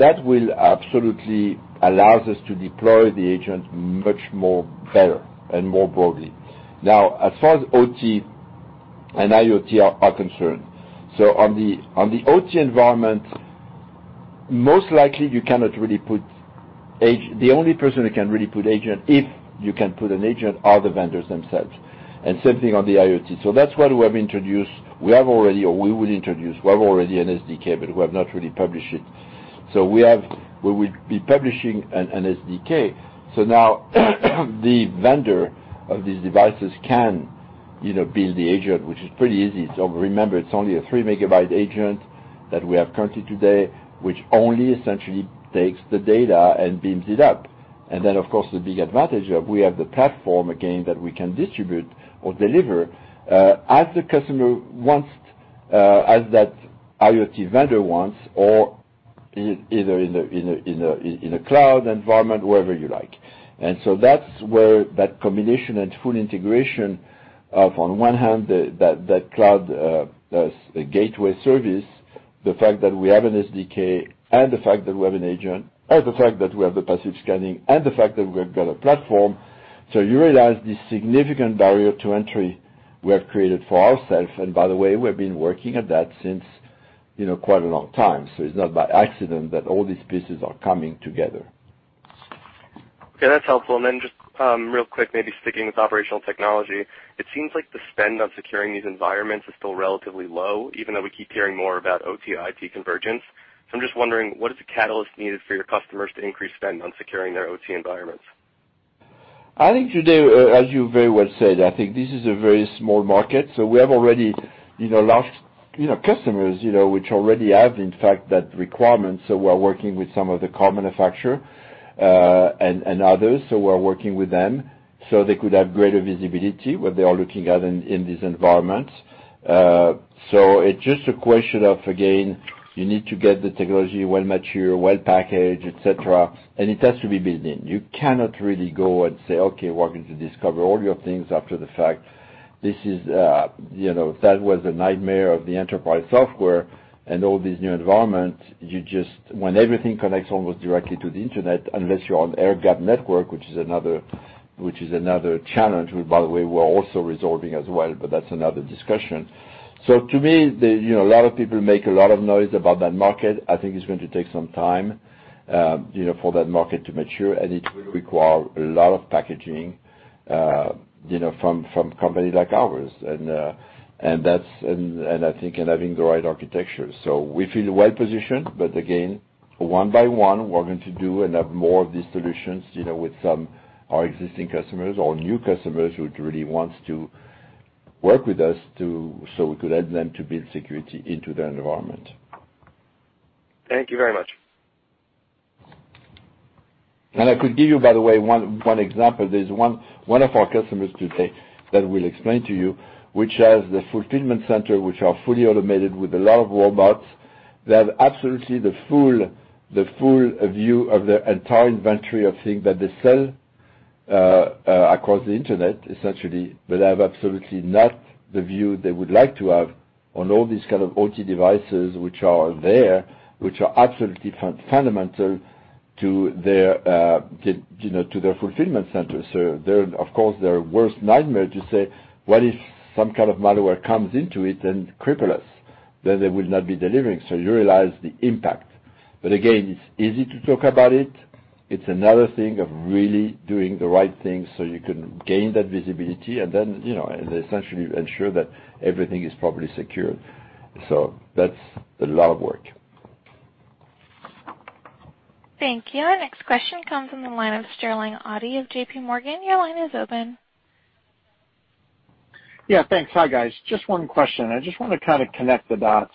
[SPEAKER 3] That will absolutely allow us to deploy the agent much more better and more broadly. Now, as far as OT and IoT are concerned, on the OT environment, most likely you cannot really put agent. The only person who can really put agent, if you can put an agent, are the vendors themselves, and same thing on the IoT. That's why we have introduced, we have already, or we will introduce, we have already an SDK, but we have not really published it. We will be publishing an SDK. Now the vendor of these devices can build the agent, which is pretty easy. Remember, it's only a three-megabyte agent that we have currently today, which only essentially takes the data and beams it up. Of course, the big advantage of we have the platform again, that we can distribute or deliver as the customer wants, as that IoT vendor wants, or either in a cloud environment, wherever you like. That's where that combination and full integration of, on one hand, that Qualys Gateway Service, the fact that we have an SDK and the fact that we have a Cloud Agent, or the fact that we have the passive scanning and the fact that we've got a platform. You realize this significant barrier to entry we have created for ourself, and by the way, we've been working at that since quite a long time. It's not by accident that all these pieces are coming together.
[SPEAKER 13] Okay, that's helpful. Just real quick, maybe sticking with operational technology, it seems like the spend on securing these environments is still relatively low, even though we keep hearing more about OT/IT convergence. I'm just wondering, what is the catalyst needed for your customers to increase spend on securing their OT environments?
[SPEAKER 3] I think today, as you very well said, I think this is a very small market, we have already large customers which already have, in fact, that requirement. We're working with some of the car manufacturer, and others, we're working with them so they could have greater visibility, what they are looking at in these environments. It's just a question of, again, you need to get the technology well mature, well packaged, etcetera, and it has to be built-in. You cannot really go and say, "Okay, we're going to discover all your things after the fact." That was the nightmare of the enterprise software and all these new environments. When everything connects almost directly to the internet, unless you're on air-gapped network, which is another challenge, which by the way, we're also resolving as well, but that's another discussion. To me, a lot of people make a lot of noise about that market. I think it's going to take some time for that market to mature, and it will require a lot of packaging from company like ours. I think in having the right architecture. We feel well-positioned, but again, one by one, we're going to do and have more of these solutions, with some our existing customers or new customers who really wants to work with us, so we could help them to build security into their environment.
[SPEAKER 13] Thank you very much.
[SPEAKER 3] I could give you, by the way, one example. There's one of our customers today that will explain to you, which has the fulfillment center, which are fully automated with a lot of robots. They have absolutely the full view of their entire inventory of things that they sell across the internet, essentially. They have absolutely not the view they would like to have on all these kind of OT devices which are there, which are absolutely fundamental to their fulfillment centers. Of course, their worst nightmare to say, "What if some kind of malware comes into it and cripple us?" They will not be delivering. You realize the impact. But again, it's easy to talk about it. It's another thing of really doing the right things so you can gain that visibility and then, essentially ensure that everything is properly secured. That's a lot of work.
[SPEAKER 1] Thank you. Our next question comes from the line of Sterling Auty of J.P. Morgan. Your line is open.
[SPEAKER 14] Thanks. Hi, guys. Just one question. I just want to connect the dots.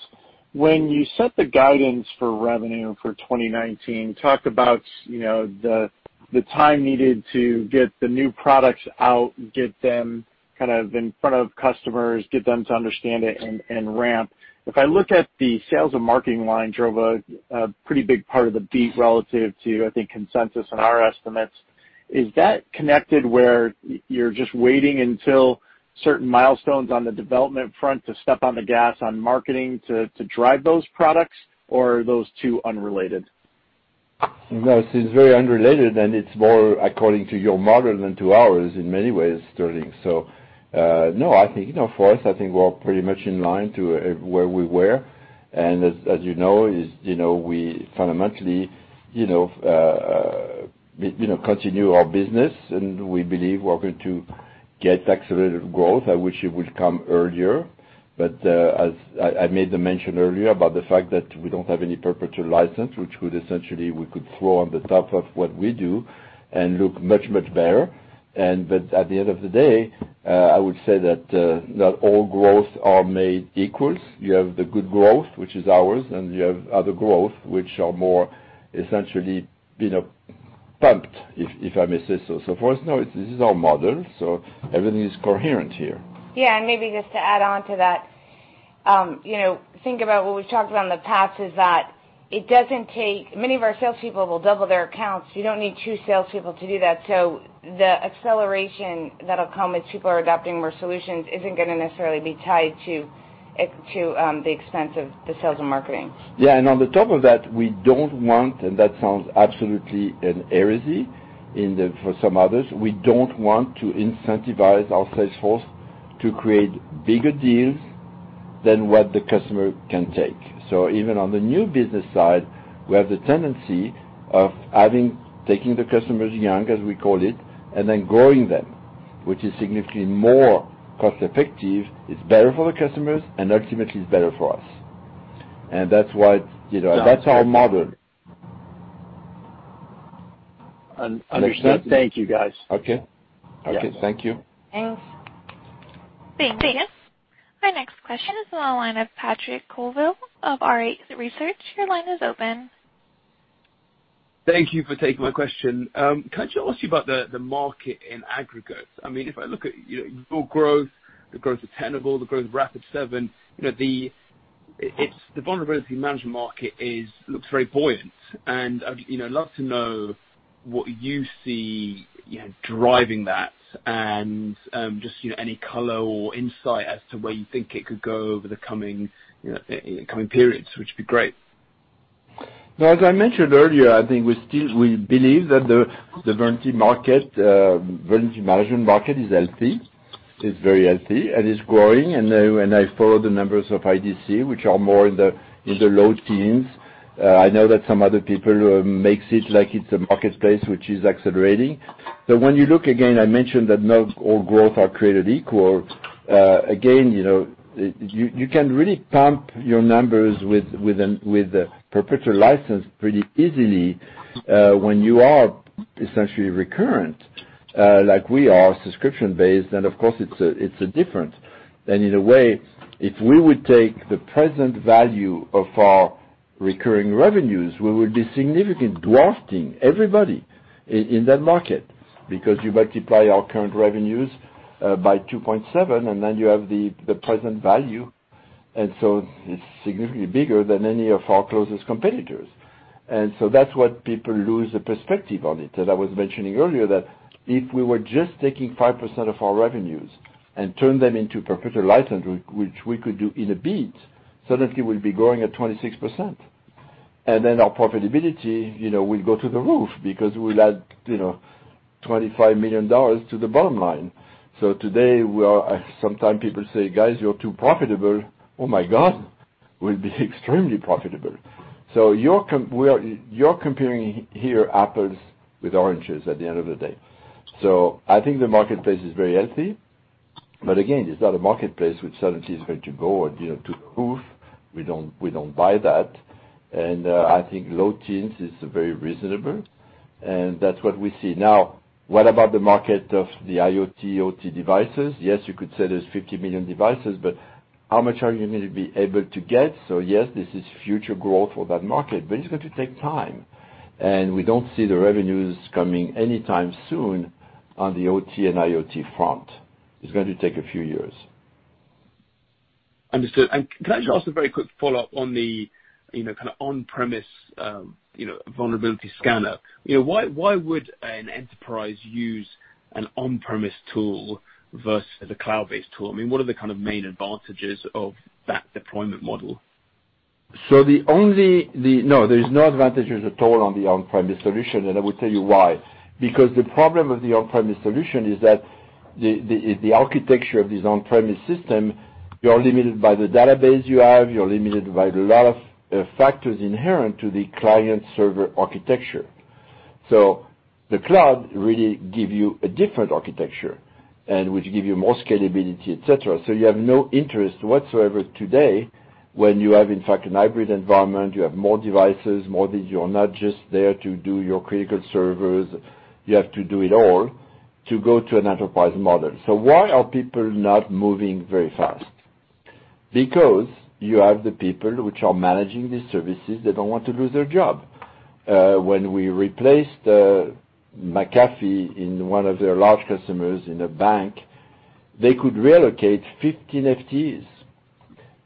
[SPEAKER 14] When you set the guidance for revenue for 2019, you talked about the time needed to get the new products out, get them in front of customers, get them to understand it and ramp. If I look at the sales and marketing line drove a pretty big part of the beat relative to, I think, consensus on our estimates. Is that connected where you're just waiting until certain milestones on the development front to step on the gas on marketing to drive those products, or are those two unrelated?
[SPEAKER 3] It's very unrelated, and it's more according to your model than to ours in many ways, Sterling. For us, I think we're pretty much in line to where we were. As you know, we fundamentally continue our business, and we believe we're going to get accelerated growth. I wish it would come earlier, but, as I made the mention earlier about the fact that we don't have any perpetual license, which would essentially, we could throw on the top of what we do and look much, much better. At the end of the day, I would say that not all growth are made equal. You have the good growth, which is ours, and you have other growth, which are more essentially pumped, if I may say so. For us, this is our model, so everything is coherent here.
[SPEAKER 4] Maybe just to add on to that. Think about what we've talked about in the past is that, many of our salespeople will double their accounts. You don't need two salespeople to do that. The acceleration that'll come as people are adopting more solutions isn't going to necessarily be tied to the expense of the sales and marketing.
[SPEAKER 3] On the top of that, we don't want, and that sounds absolutely an heresy for some others, we don't want to incentivize our sales force to create bigger deals than what the customer can take. Even on the new business side, we have the tendency of taking the customers young, as we call it, and then growing them, which is significantly more cost effective, it's better for the customers, and ultimately, it's better for us. That's our model.
[SPEAKER 14] Understood. Thank you, guys.
[SPEAKER 3] Okay. Thank you.
[SPEAKER 4] Thanks.
[SPEAKER 1] Thanks. Our next question is on the line of Patrick Colville of Arete Research. Your line is open.
[SPEAKER 15] Thank you for taking my question. Can I just ask you about the market in aggregate? If I look at your growth, the growth of Tenable, the growth of Rapid7, the vulnerability management market looks very buoyant, and I'd love to know what you see driving that and, just any color or insight as to where you think it could go over the coming periods, which would be great.
[SPEAKER 3] As I mentioned earlier, I think we believe that the Vulnerability Management market is healthy. It's very healthy, and it's growing. I follow the numbers of IDC, which are more in the low teens. I know that some other people make it like it's a marketplace which is accelerating. When you look again, I mentioned that not all growth are created equal. You can really pump your numbers with a perpetual license pretty easily, when you are essentially recurrent, like we are subscription-based. Of course, it's different. In a way, if we would take the present value of our recurring revenues, we would be significant, dwarfing everybody in that market because you multiply our current revenues by 2.7 and then you have the present value. It's significantly bigger than any of our closest competitors. That's what people lose the perspective on it. As I was mentioning earlier that if we were just taking 5% of our revenues and turn them into perpetual license, which we could do in a beat, suddenly we'd be growing at 26%. Our profitability will go through the roof because we'll add $25 million to the bottom line. Today, sometime people say, "Guys, you're too profitable." Oh, my God. We'll be extremely profitable. You're comparing here apples with oranges at the end of the day. I think the marketplace is very healthy. Again, it's not a marketplace which suddenly is going to go or deal to the roof. We don't buy that. I think low teens is very reasonable, and that's what we see. Now, what about the market of the IoT/OT devices? Yes, you could say there's 50 million devices, but how much are you going to be able to get? Yes, this is future growth for that market, but it's going to take time. We don't see the revenues coming anytime soon on the OT and IoT front. It's going to take a few years.
[SPEAKER 15] Understood. Can I just ask a very quick follow-up on the, kind of on-premise vulnerability scanner? Why would an enterprise use an on-premise tool versus a cloud-based tool? What are the kind of main advantages of that deployment model?
[SPEAKER 3] No, there is no advantages at all on the on-premise solution. I will tell you why. The problem with the on-premise solution is the architecture of this on-premise system, you are limited by the database you have, you are limited by a lot of factors inherent to the client-server architecture. The cloud really gives you a different architecture, and which give you more scalability, et cetera. You have no interest whatsoever today when you have, in fact, a hybrid environment, you have more devices, more things. You are not just there to do your critical servers. You have to do it all to go to an enterprise model. Why are people not moving very fast? You have the people which are managing these services, they don't want to lose their job. When we replaced McAfee in one of their large customers in a bank, they could relocate 15 FTEs.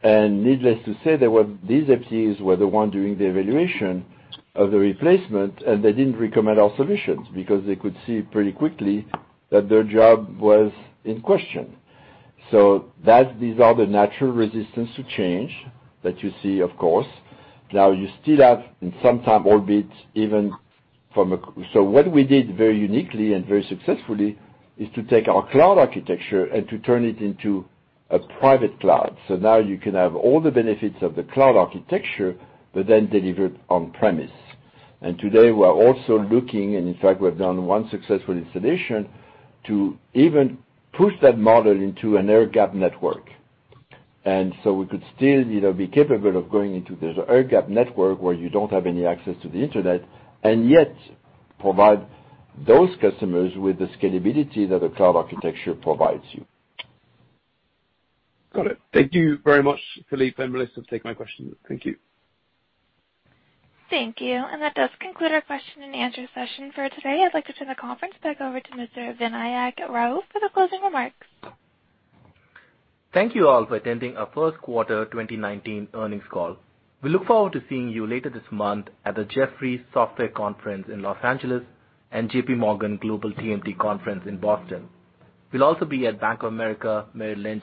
[SPEAKER 3] Needless to say, these FTEs were the ones doing the evaluation of the replacement, and they didn't recommend our solutions because they could see pretty quickly that their job was in question. These are the natural resistance to change that you see, of course. You still have in some time orbit. What we did very uniquely and very successfully is to take our cloud architecture and to turn it into a private cloud. Now you can have all the benefits of the cloud architecture, but then delivered on-premise. Today, we are also looking, and in fact, we've done one successful installation to even push that model into an air-gapped network. We could still be capable of going into this air-gapped network where you don't have any access to the Internet, and yet provide those customers with the scalability that a cloud architecture provides you.
[SPEAKER 15] Got it. Thank you very much, Philippe and Melissa, for taking my questions. Thank you.
[SPEAKER 1] Thank you. That does conclude our question and answer session for today. I'd like to turn the conference back over to Mr. Vinayak Rao for the closing remarks.
[SPEAKER 2] Thank you all for attending our first quarter 2019 earnings call. We look forward to seeing you later this month at the Jefferies Software Conference in Los Angeles and J.P. Morgan Global TMT Conference in Boston. We'll also be at Bank of America Merrill Lynch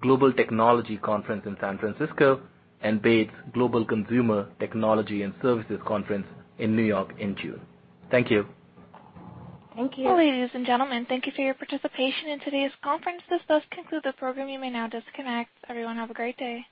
[SPEAKER 2] Global Technology Conference in San Francisco and Baird Global Consumer Technology and Services Conference in New York in June. Thank you.
[SPEAKER 1] Thank you. Ladies and gentlemen, thank you for your participation in today's conference. This does conclude the program. You may now disconnect. Everyone have a great day.